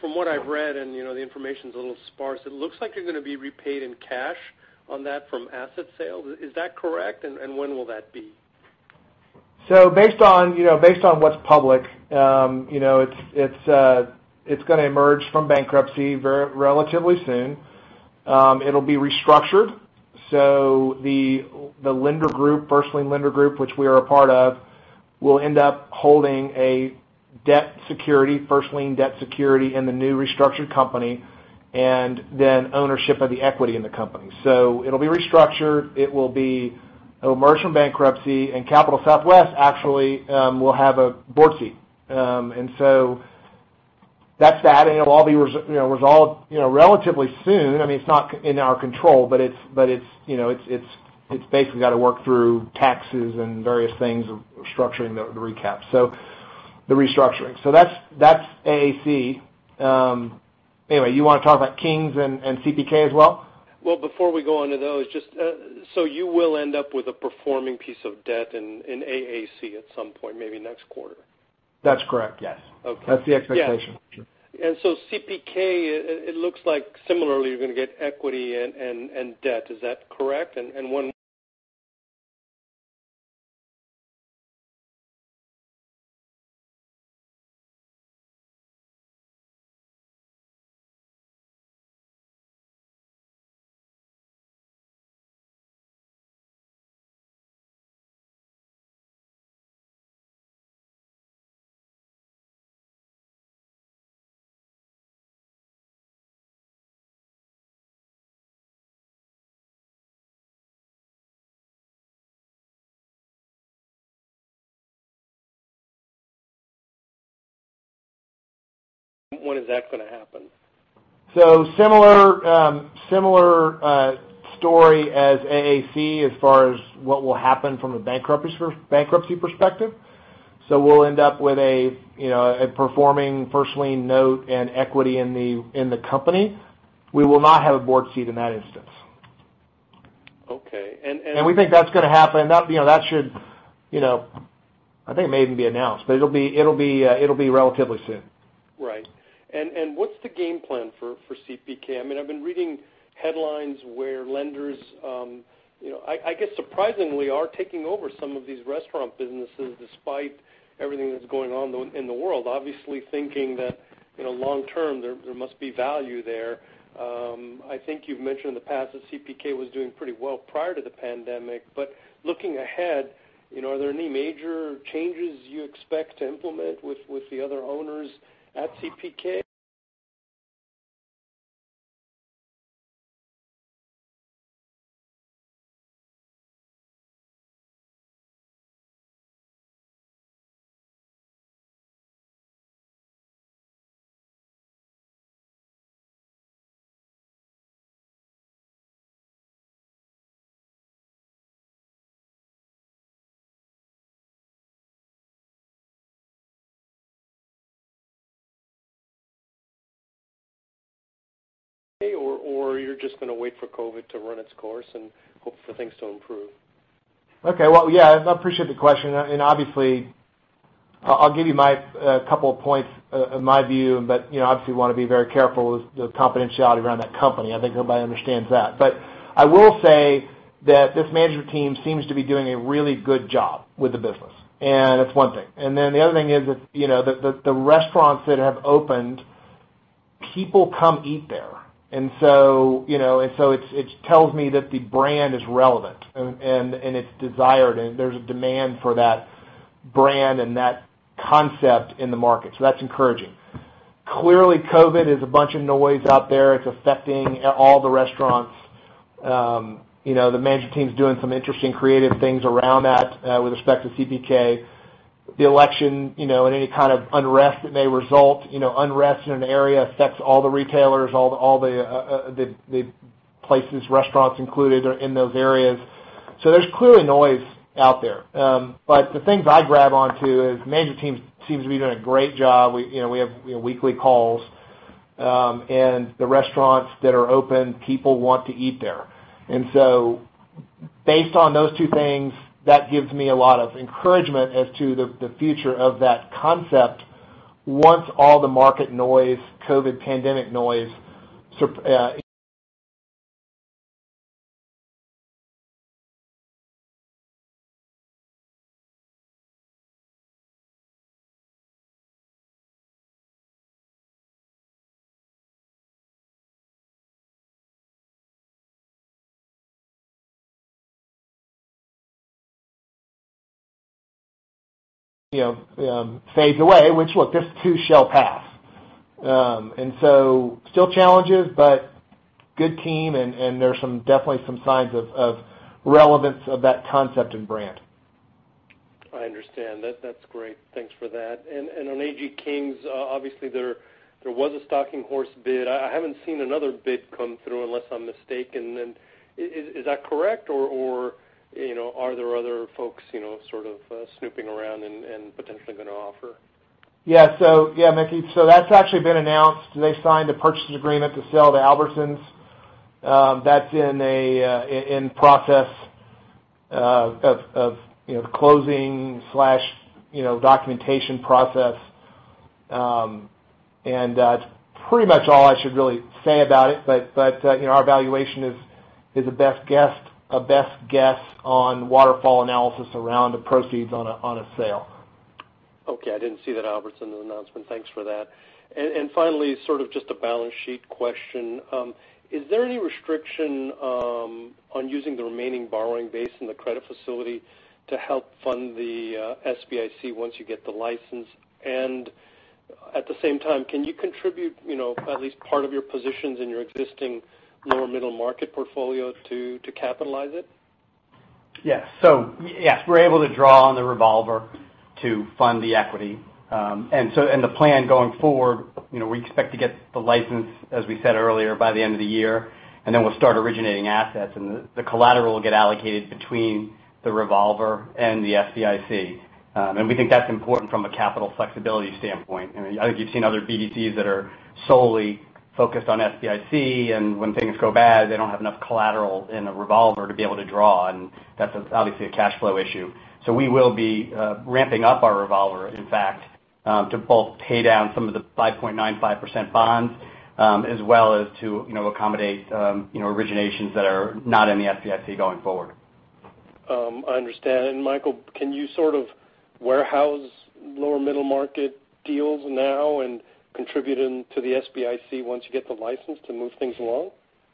from what I've read, and the information's a little sparse, it looks like you're going to be repaid in cash on that from asset sales. Is that correct? When will that be? Based on what's public, it's going to emerge from bankruptcy relatively soon. It'll be restructured. The first lien lender group, which we are a part of, will end up holding a first lien debt security in the new restructured company, and then ownership of the equity in the company. It'll be restructured. It will emerge from bankruptcy, Capital Southwest actually will have a board seat. That's that, it will all be resolved relatively soon. It's not in our control, it's basically got to work through taxes and various things of restructuring the recap. The restructuring. That's AAC. Anyway, you want to talk about Kings and CPK as well? Before we go on to those, you will end up with a performing piece of debt in AAC at some point, maybe next quarter? That's correct. Yes. Okay. That's the expectation. CPK, it looks like similarly, you're going to get equity and debt. Is that correct? When is that going to happen? Similar story as AAC as far as what will happen from a bankruptcy perspective. We'll end up with a performing first lien note and equity in the company. We will not have a board seat in that instance. Okay. We think that's going to happen. I think it may even be announced, but it'll be relatively soon. Right. What's the game plan for CPK? I've been reading headlines where lenders, I guess surprisingly, are taking over some of these restaurant businesses despite everything that's going on in the world, obviously thinking that long term, there must be value there. I think you've mentioned in the past that CPK was doing pretty well prior to the pandemic. Looking ahead, are there any major changes you expect to implement with the other owners at CPK? You're just going to wait for COVID to run its course and hope for things to improve? Well, yeah, I appreciate the question, and obviously, I'll give you a couple of points of my view, obviously want to be very careful with the confidentiality around that company. I think everybody understands that. I will say that this management team seems to be doing a really good job with the business, and that's one thing. The other thing is that the restaurants that have opened, people come eat there. It tells me that the brand is relevant, and it's desired, and there's a demand for that brand and that concept in the market. That's encouraging. Clearly, COVID is a bunch of noise out there. It's affecting all the restaurants. The management team's doing some interesting creative things around that with respect to CPK. The election and any kind of unrest that may result, unrest in an area affects all the retailers, all the places, restaurants included, in those areas. There's clearly noise out there. The things I grab onto is management team seems to be doing a great job. We have weekly calls. The restaurants that are open, people want to eat there. Based on those two things, that gives me a lot of encouragement as to the future of that concept once all the market noise, COVID pandemic noise fades away. Which, look, this too shall pass. Still challenges, but good team and there's definitely some signs of relevance of that concept and brand. I understand. That's great. Thanks for that. On AG Kings, obviously there was a stalking horse bid. I haven't seen another bid come through, unless I'm mistaken. Is that correct, or are there other folks sort of snooping around and potentially going to offer? Yeah, Mickey. That's actually been announced. They signed a purchase agreement to sell to Albertsons. That's in process of closing/documentation process. That's pretty much all I should really say about it. Our valuation is a best guess on waterfall analysis around the proceeds on a sale. Okay, I didn't see that Albertsons announcement. Thanks for that. Finally, sort of just a balance sheet question. Is there any restriction on using the remaining borrowing base in the credit facility to help fund the SBIC once you get the license? At the same time, can you contribute at least part of your positions in your existing lower middle market portfolio to capitalize it? Yes, we're able to draw on the revolver to fund the equity. The plan going forward, we expect to get the license, as we said earlier, by the end of the year, and then we'll start originating assets and the collateral will get allocated between the revolver and the SBIC. We think that's important from a capital flexibility standpoint. I think you've seen other BDCs that are solely focused on SBIC, and when things go bad, they don't have enough collateral in the revolver to be able to draw, and that's obviously a cash flow issue. We will be ramping up our revolver, in fact, to both pay down some of the 5.95% bonds, as well as to accommodate originations that are not in the SBIC going forward. I understand. Michael, can you sort of warehouse lower middle market deals now and contribute them to the SBIC once you get the license to move things along?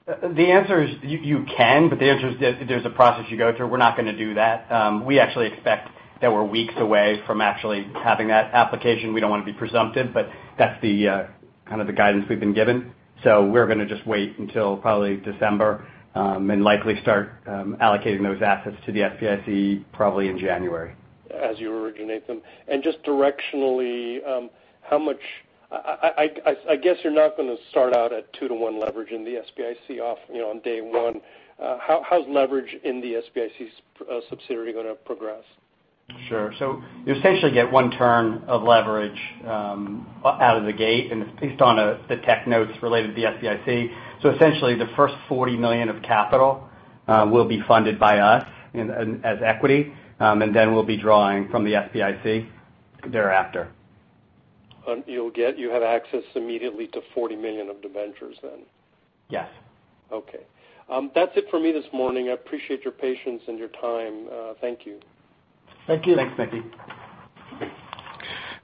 The answer is you can. The answer is there's a process you go through. We're not going to do that. We actually expect that we're weeks away from actually having that application. We don't want to be presumptive. That's kind of the guidance we've been given. We're going to just wait until probably December, and likely start allocating those assets to the SBIC, probably in January. As you originate them. Just directionally, I guess you're not going to start out at two to one leverage in the SBIC off on day one. How's leverage in the SBIC subsidiary going to progress? Sure. You essentially get one turn of leverage out of the gate, and it's based on the tech notes related to the SBIC. Essentially, the first $40 million of capital will be funded by us as equity, and then we'll be drawing from the SBIC thereafter. You have access immediately to $40 million of debentures then? Yes. Okay. That's it for me this morning. I appreciate your patience and your time. Thank you. Thank you. Thanks, Mickey.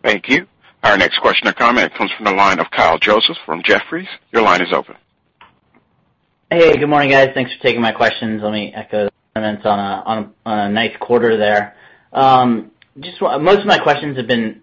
Thank you. Our next question or comment comes from the line of Kyle Joseph from Jefferies. Your line is open. Hey, good morning, guys. Thanks for taking my questions. Let me echo the comments on a nice quarter there. Most of my questions have been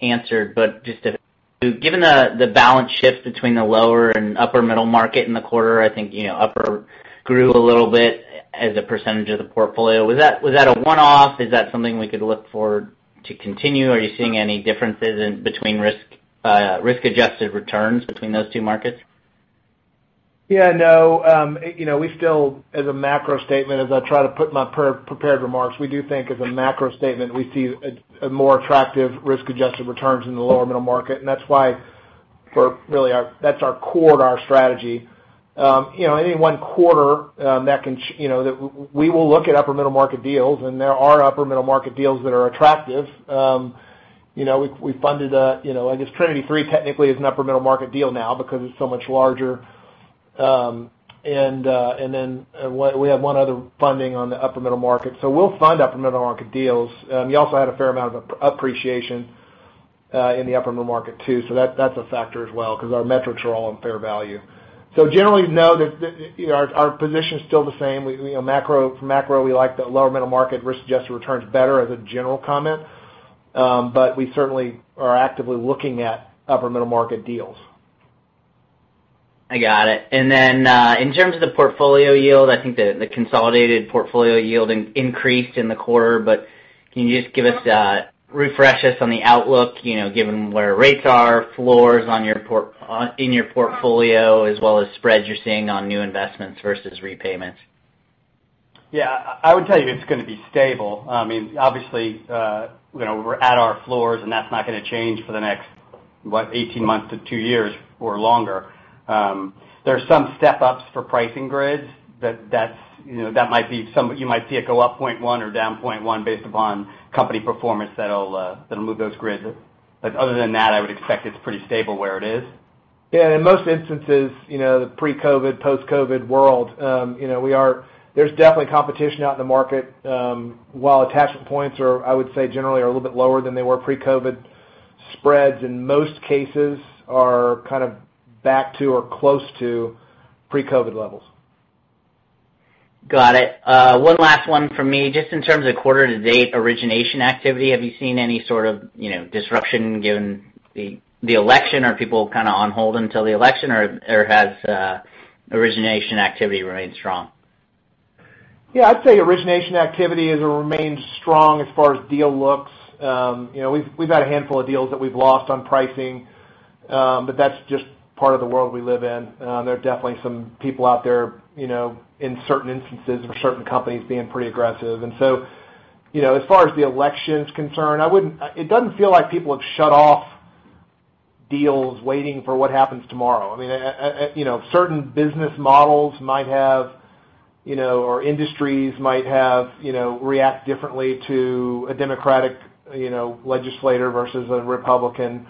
answered, just to given the balance shift between the lower and upper middle market in the quarter, I think upper grew a little bit as a percentage of the portfolio. Was that a one-off? Is that something we could look for to continue? Are you seeing any differences between risk-adjusted returns between those two markets? Yeah, no. As a macro statement, as I try to put in my prepared remarks, we do think as a macro statement, we see a more attractive risk-adjusted returns in the lower middle market. That's why really that's our core to our strategy. Any one quarter, we will look at upper middle market deals. There are upper middle market deals that are attractive. We funded, I guess Trinity3 technically is an upper middle market deal now because it's so much larger. Then we have one other funding on the upper middle market. We'll fund upper middle market deals. We also had a fair amount of appreciation in the upper middle market, too. That's a factor as well, because our metrics are all in fair value. Generally, no. Our position is still the same. From macro, we like the lower middle market risk-adjusted returns better as a general comment. We certainly are actively looking at upper middle market deals. I got it. In terms of the portfolio yield, I think the consolidated portfolio yield increased in the quarter, but can you just refresh us on the outlook given where rates are, floors in your portfolio, as well as spreads you're seeing on new investments versus repayments? Yeah, I would tell you it's going to be stable. I mean, obviously, we're at our floors, and that's not going to change for the next, what, 18 months to two years or longer. There's some step-ups for pricing grids. You might see it go up 0.1 or down 0.1 based upon company performance that'll move those grids. Other than that, I would expect it's pretty stable where it is. Yeah, in most instances, the pre-COVID, post-COVID world, there's definitely competition out in the market. While attachment points are, I would say, generally are a little bit lower than they were pre-COVID. Spreads in most cases are kind of back to or close to pre-COVID levels. Got it. One last one from me. Just in terms of quarter-to-date origination activity, have you seen any sort of disruption given the election? Are people kind of on hold until the election, or has origination activity remained strong? Yeah, I'd say origination activity has remained strong as far as deal looks. We've had a handful of deals that we've lost on pricing. That's just part of the world we live in. There are definitely some people out there, in certain instances or certain companies being pretty aggressive. As far as the election's concerned, it doesn't feel like people have shut off deals waiting for what happens tomorrow. I mean, certain business models might have, or industries might have react differently to a Democratic legislator versus a Republican.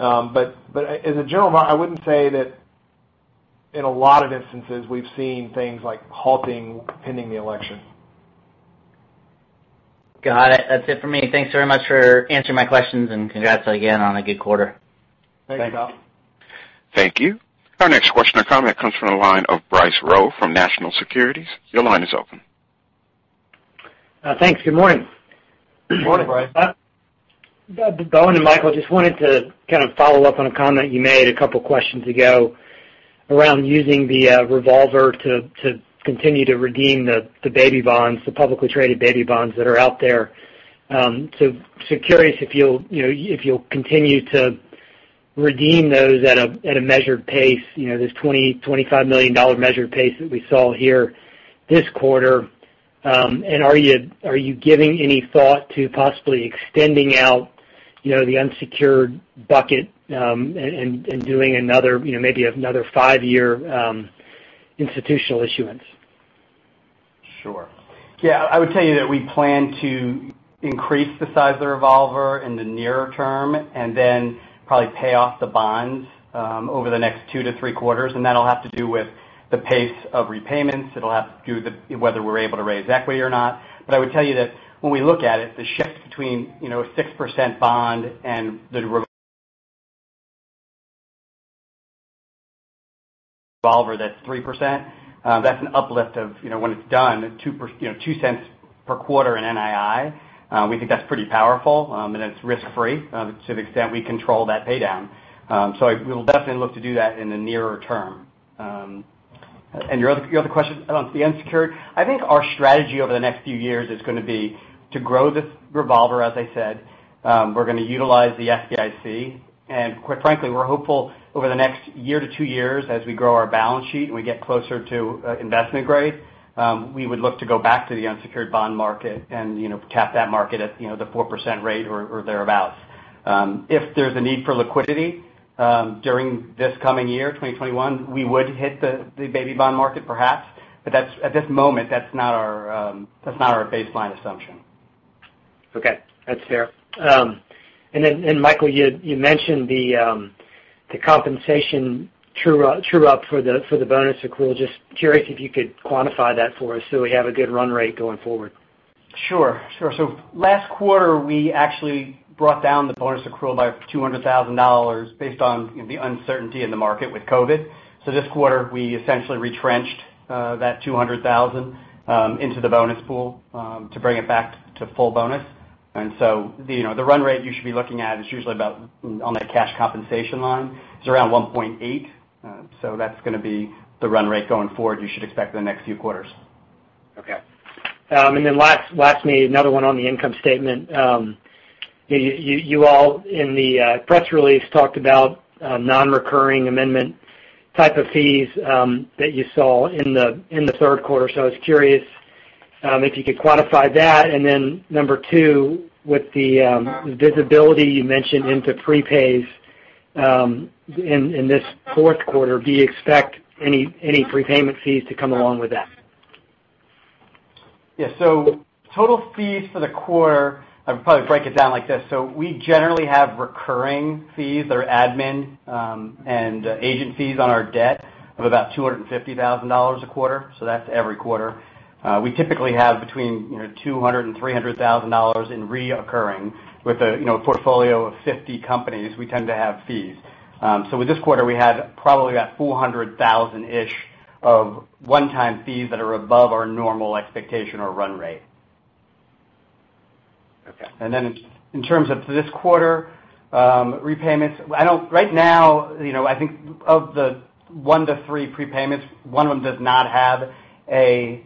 As a general rule, I wouldn't say that in a lot of instances, we've seen things like halting pending the election. Got it. That's it for me. Thanks very much for answering my questions, and congrats again on a good quarter. Thanks. Thanks. Thank you. Our next question or comment comes from the line of Bryce Rowe from National Securities. Your line is open. Thanks. Good morning. Good morning, Bryce. Bowen and Michael, just wanted to kind of follow up on a comment you made a couple questions ago around using the revolver to continue to redeem the baby bonds, the publicly traded baby bonds that are out there. Curious if you'll continue to redeem those at a measured pace, this $25 million measured pace that we saw here this quarter. Are you giving any thought to possibly extending out the unsecured bucket, and doing maybe another five-year institutional issuance? Sure. Yeah, I would tell you that we plan to increase the size of the revolver in the nearer term, then probably pay off the bonds over the next two to three quarters, and that'll have to do with the pace of repayments. It'll have to do with whether we're able to raise equity or not. I would tell you that when we look at it, the shift between 6% bond and the revolver that's 3%, that's an uplift of, when it's done, $0.02 per quarter in NII. We think that's pretty powerful, and it's risk-free to the extent we control that pay down. We will definitely look to do that in the nearer term. Your other question on the unsecured? I think our strategy over the next few years is going to be to grow this revolver, as I said. We're going to utilize the SBIC. Quite frankly, we're hopeful over the next year to two years, as we grow our balance sheet and we get closer to investment grade, we would look to go back to the unsecured bond market and tap that market at the 4% rate or thereabouts. If there's a need for liquidity during this coming year, 2021, we would hit the baby bond market perhaps. At this moment, that's not our baseline assumption. Okay. That's fair. Michael, you mentioned the compensation true up for the bonus accrual. Just curious if you could quantify that for us so we have a good run rate going forward. Sure. Last quarter, we actually brought down the bonus accrual by $200,000 based on the uncertainty in the market with COVID. This quarter, we essentially retrenched that $200,000 into the bonus pool to bring it back to full bonus. The run rate you should be looking at is usually about, on the cash compensation line, is around $1.8. That's going to be the run rate going forward you should expect in the next few quarters. Okay. Lastly, another one on the income statement. You all, in the press release, talked about non-recurring amendment type of fees that you saw in the Q3. I was curious if you could quantify that. Number two, with the visibility you mentioned into prepays in this Q3, do you expect any prepayment fees to come along with that? Yeah. Total fees for the quarter, I'd probably break it down like this. We generally have recurring fees or admin and agent fees on our debt of about $250,000 a quarter. That's every quarter. We typically have between $200,000 and $300,000 in recurring. With a portfolio of 50 companies, we tend to have fees. With this quarter, we had probably about $400,000-ish of one-time fees that are above our normal expectation or run rate. Okay. In terms of this quarter, prepayments, right now, I think of the one to three prepayments, one of them does not have a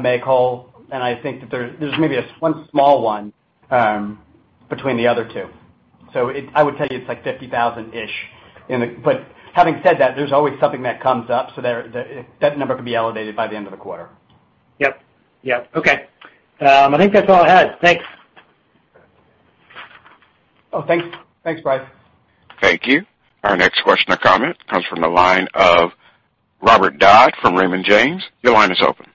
make whole. I think that there's maybe one small one between the other two. I would tell you it's like $50,000-ish. Having said that, there's always something that comes up, so that number can be elevated by the end of the quarter. Yes. Okay. I think that's all I had. Thanks. Oh, thanks, Bryce. Thank you. Our next question or comment comes from the line of Robert Dodd from Raymond James. Your line is open.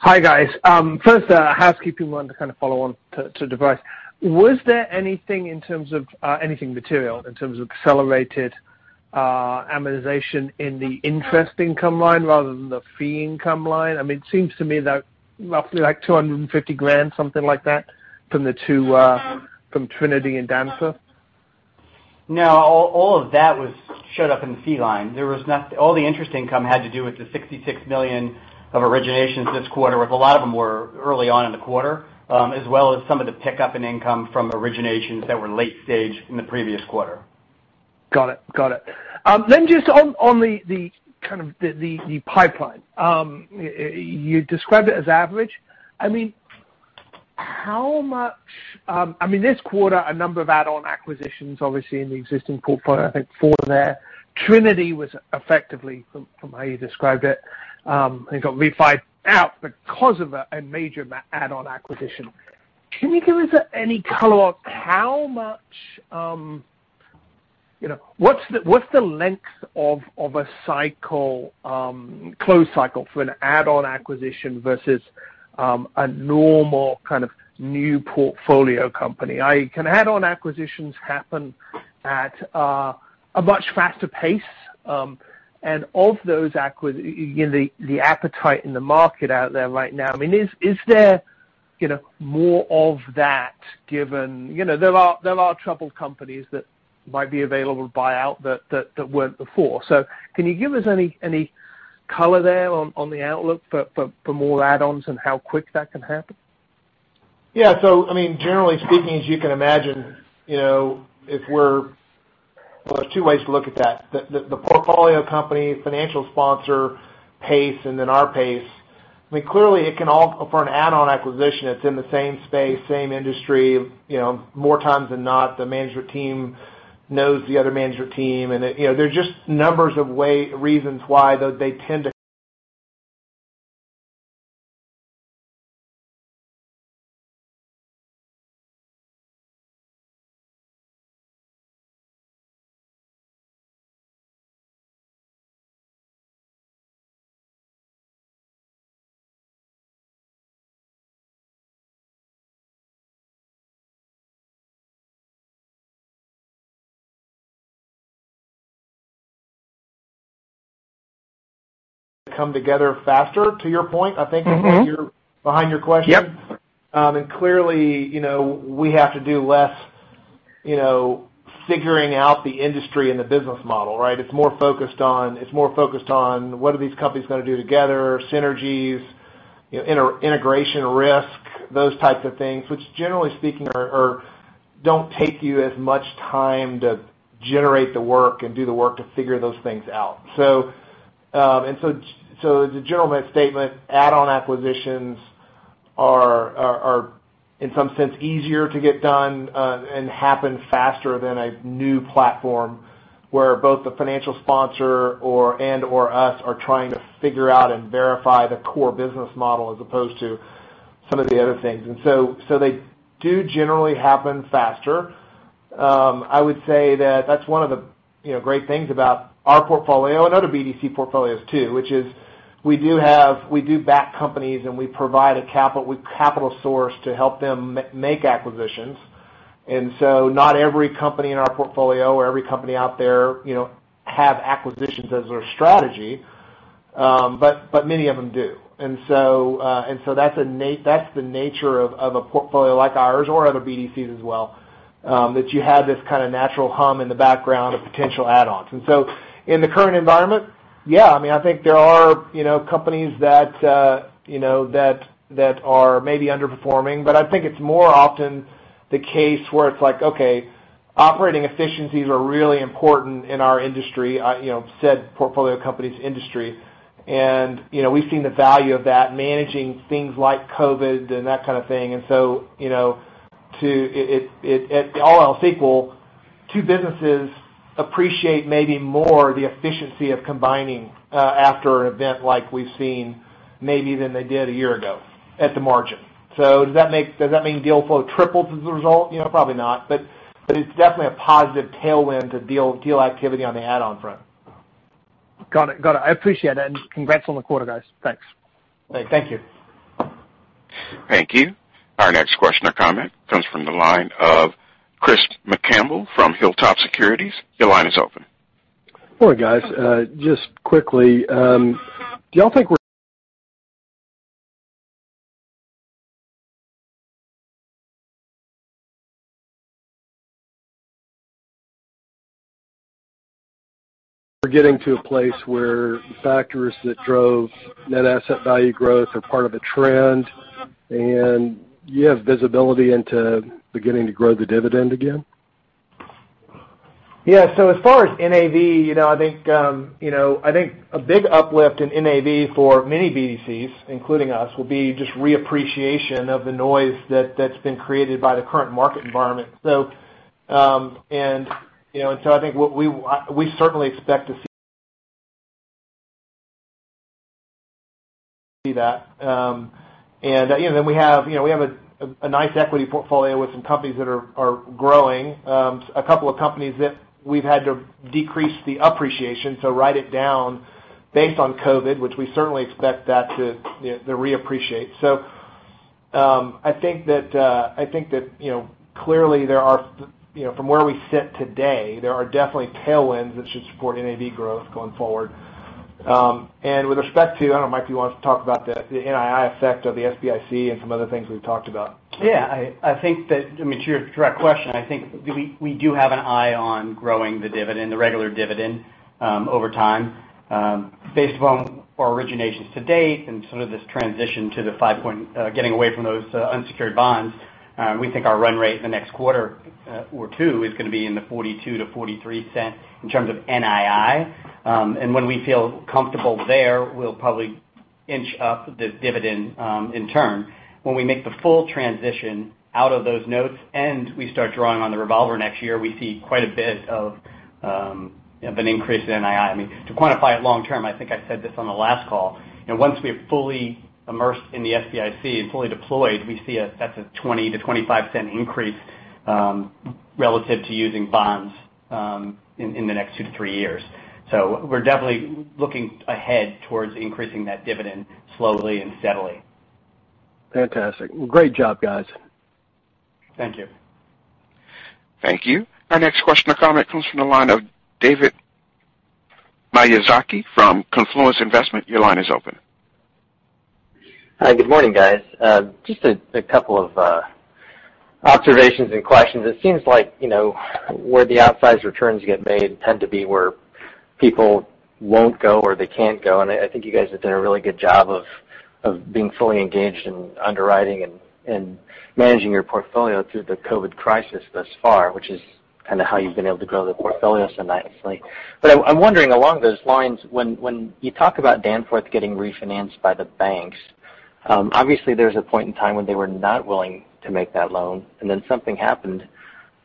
Hi, guys. First, housekeeping one to kind of follow on to Bryce. Was there anything material in terms of accelerated amortization in the interest income line rather than the fee income line? It seems to me that roughly $250,000, something like that, from Trinity and Danforth. All of that showed up in the fee line. All the interest income had to do with the $66 million of originations this quarter, of a lot of them were early on in the quarter, as well as some of the pickup in income from originations that were late stage in the previous quarter. Got it. Just on the pipeline. You described it as average. This quarter, a number of add-on acquisitions, obviously, in the existing portfolio. I think four there. Trinity was effectively, from how you described it, and it got refied out because of a major add-on acquisition. Can you give us any color on what's the length of a closed cycle for an add-on acquisition versus a normal new portfolio company? Can add-on acquisitions happen at a much faster pace? Of those acquisitions, the appetite in the market out there right now, is there more of that given there are troubled companies that might be available to buy out that weren't before? Can you give us any color there on the outlook for more add-ons and how quick that can happen? Yeah. Generally speaking, as you can imagine, there's two ways to look at that. The portfolio company financial sponsor pace and then our pace. Clearly, for an add-on acquisition, it's in the same space, same industry. More times than not, the management team knows the other management team. There's just numbers of reasons why they tend to come together faster, to your point, I think is behind your question. Yes. Clearly we have to do less figuring out the industry and the business model, right. It's more focused on what are these companies going to do together, synergies, integration risk, those types of things. Which generally speaking, don't take you as much time to generate the work and do the work to figure those things out. As a general statement, add-on acquisitions are, in some sense, easier to get done and happen faster than a new platform where both the financial sponsor and/or us are trying to figure out and verify the core business model as opposed to some of the other things. They do generally happen faster. I would say that that's one of the great things about our portfolio and other BDC portfolios too, which is we do back companies and we provide a capital source to help them make acquisitions. Not every company in our portfolio or every company out there have acquisitions as their strategy. Many of them do. That's the nature of a portfolio like ours or other BDCs as well, that you have this kind of natural hum in the background of potential add-ons. In the current environment, yeah. I think there are companies that are maybe underperforming. I think it's more often the case where it's like, okay. Operating efficiencies are really important in our industry, said portfolio company's industry. We've seen the value of that, managing things like COVID and that kind of thing. At all else equal, two businesses appreciate maybe more the efficiency of combining after an event like we've seen, maybe than they did a year ago at the margin. Does that mean deal flow triples as a result? Probably not, but it's definitely a positive tailwind to deal activity on the add-on front. Got it. I appreciate it. Congrats on the quarter, guys. Thanks. Thank you. Thank you. Our next question or comment comes from the line of Chris McCampbell from Hilltop Securities. Your line is open. Good morning, guys. Just quickly, do y'all think we're getting to a place where the factors that drove net asset value growth are part of a trend, and you have visibility into beginning to grow the dividend again? As far as NAV, I think a big uplift in NAV for many BDCs, including us, will be just reappreciation of the noise that's been created by the current market environment. I think we certainly expect to see that. We have a nice equity portfolio with some companies that are growing. A couple of companies that we've had to decrease the appreciation, so write it down based on COVID, which we certainly expect that to reappreciate. I think that clearly from where we sit today, there are definitely tailwinds that should support NAV growth going forward. With respect to, I don't know if Michael wants to talk about the NII effect of the SBIC and some other things we've talked about. Yeah, to your direct question, I think we do have an eye on growing the dividend, the regular dividend, over time. Based upon our originations to date and sort of this transition to getting away from those unsecured bonds, we think our run rate in the next quarter or two is going to be in the $0.42 to $0.43 in terms of NII. When we feel comfortable there, we'll probably inch up the dividend in turn. When we make the full transition out of those notes and we start drawing on the revolver next year, we see quite a bit of an increase in NII. To quantify it long term, I think I said this on the last call. Once we are fully immersed in the SBIC and fully deployed, we see that's a $0.20-$0.25 increase relative to using bonds in the next two to three years. We're definitely looking ahead towards increasing that dividend slowly and steadily. Fantastic. Well, great job, guys. Thank you. Thank you. Our next question or comment comes from the line of David Miyazaki from Confluence Investment. Your line is open. Hi. Good morning, guys. Just a couple of observations and questions. It seems like where the outsized returns get made tend to be where people won't go or they can't go, and I think you guys have done a really good job of being fully engaged in underwriting and managing your portfolio through the COVID crisis thus far, which is kind of how you've been able to grow the portfolio so nicely. I'm wondering along those lines, when you talk about Danforth getting refinanced by the banks, obviously there was a point in time when they were not willing to make that loan, and then something happened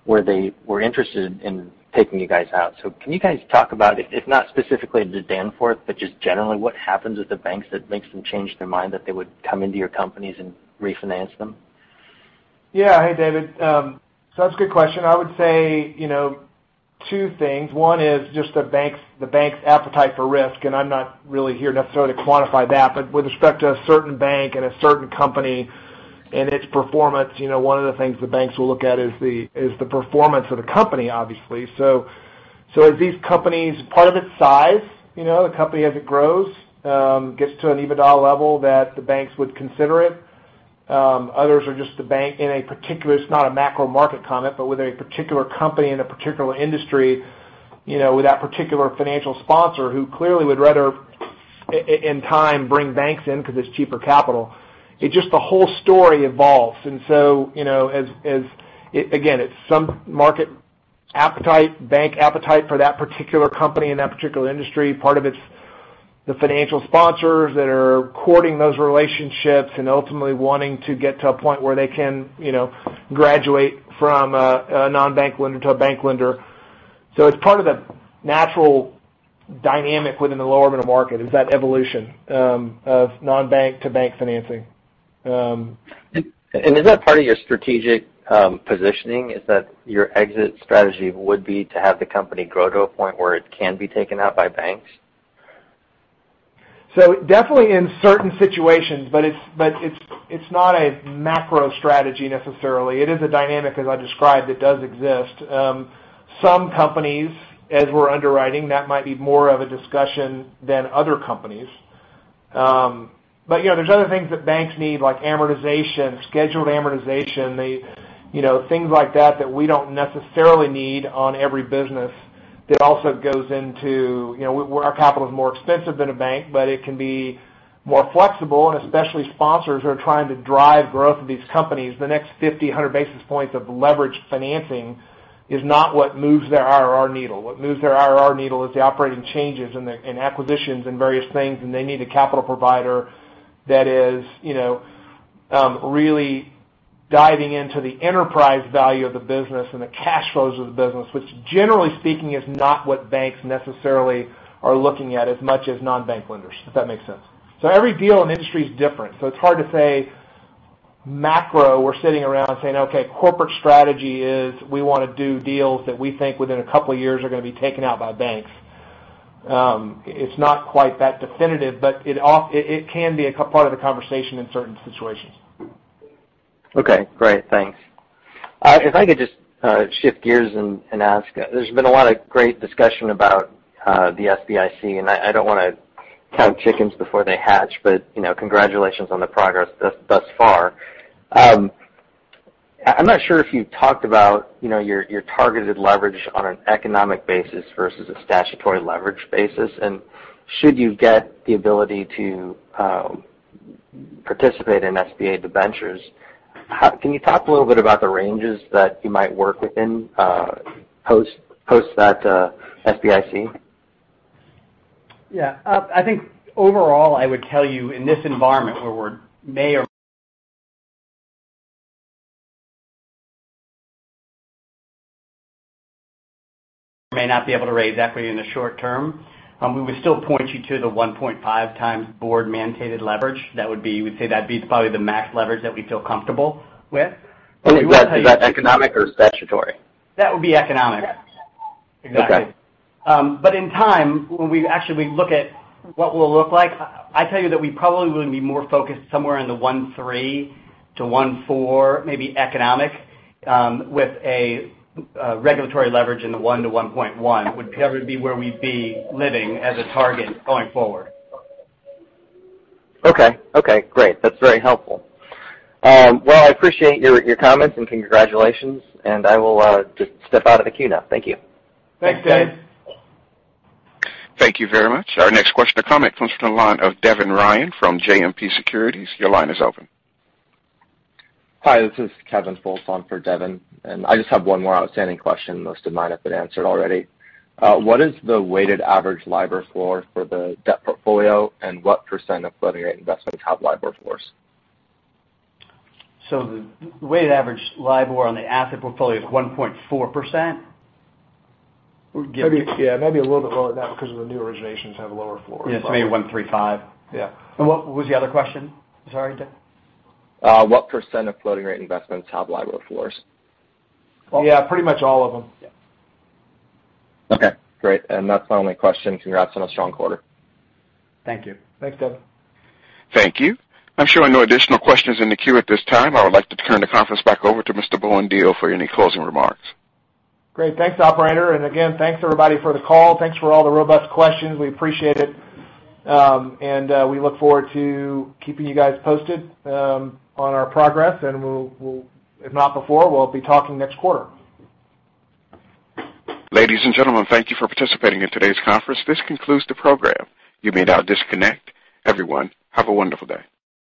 where they were interested in taking you guys out. Can you guys talk about, if not specifically to Danforth, but just generally what happens with the banks that makes them change their mind that they would come into your companies and refinance them? Yeah. Hey, David. That's a good question. I would say two things. One is just the bank's appetite for risk, and I'm not really here necessarily to quantify that. With respect to a certain bank and a certain company and its performance, one of the things the banks will look at is the performance of the company, obviously. As these companies, part of its size, the company as it grows, gets to an EBITDA level that the banks would consider it. Others are just the bank in a particular, it's not a macro market comment, but with a particular company in a particular industry, with that particular financial sponsor who clearly would rather, in time, bring banks in because it's cheaper capital. It's just the whole story evolves. Again, it's some market appetite, bank appetite for that particular company in that particular industry. Part of it's the financial sponsors that are courting those relationships and ultimately wanting to get to a point where they can graduate from a non-bank lender to a bank lender. It's part of the natural dynamic within the lower middle market, is that evolution of non-bank to bank financing. Is that part of your strategic positioning? Is that your exit strategy would be to have the company grow to a point where it can be taken out by banks? Definitely in certain situations, but it's not a macro strategy necessarily. It is a dynamic, as I described, that does exist. Some companies, as we're underwriting, that might be more of a discussion than other companies. There's other things that banks need, like amortization, scheduled amortization, things like that we don't necessarily need on every business. It also goes into our capital is more expensive than a bank, but it can be more flexible and especially sponsors who are trying to drive growth of these companies. The next 50, 100 basis points of leverage financing is not what moves their IRR needle. What moves their IRR needle is the operating changes and acquisitions and various things, and they need a capital provider that is really diving into the enterprise value of the business and the cash flows of the business, which generally speaking, is not what banks necessarily are looking at as much as non-bank lenders. If that makes sense. Every deal in the industry is different. It's hard to say macro, we're sitting around saying, okay, corporate strategy is we want to do deals that we think within a couple of years are going to be taken out by banks. It's not quite that definitive, but it can be a part of the conversation in certain situations. Okay, great. Thanks. If I could just shift gears and ask, there's been a lot of great discussion about the SBIC, and I don't want to count chickens before they hatch, but congratulations on the progress thus far. I'm not sure if you talked about your targeted leverage on an economic basis versus a statutory leverage basis. Should you get the ability to participate in SBA debentures, can you talk a little bit about the ranges that you might work within post that SBIC? Yeah. I think overall, I would tell you in this environment where we may or may not be able to raise equity in the short term, we would still point you to the 1.5 times Board mandated leverage. That would be, we'd say that'd be probably the max leverage that we feel comfortable with. Is that economic or statutory? That would be economic. Exactly. Okay. In time, when we actually look at what we'll look like, I tell you that we probably would be more focused somewhere in the 1.3-1.4, maybe economic, with a regulatory leverage in the 1-1.1 would probably be where we'd be living as a target going forward. Okay. Great. That's very helpful. Well, I appreciate your comments and congratulations, and I will just step out of the queue now. Thank you. Thanks, David. Thank you very much. Our next question or comment comes from the line of Devin Ryan from JMP Securities. Your line is open. Hi, this is Kevin Fultz for Devin. I just have one more outstanding question. Most of mine have been answered already. What is the weighted average LIBOR floor for the debt portfolio, and what % of floating rate investments have LIBOR floors? The weighted average LIBOR on the asset portfolio is 1.4%. Yeah, maybe a little bit lower than that because the new originations have lower floors. Yeah, it's maybe 1.35. Yeah. What was the other question? Sorry, Kevin. What % of floating rate investments have LIBOR floors? Yeah, pretty much all of them. Yeah. Okay, great. That's my only question. Congrats on a strong quarter. Thank you. Thanks, Kevin. Thank you. I'm showing no additional questions in the queue at this time. I would like to turn the conference back over to Mr. Bowen Diehl for any closing remarks. Great. Thanks, operator. Again, thanks everybody for the call. Thanks for all the robust questions. We appreciate it. We look forward to keeping you guys posted on our progress, and if not before, we'll be talking next quarter. Ladies and gentlemen, thank you for participating in today's conference. This concludes the program. You may now disconnect. Everyone, have a wonderful day.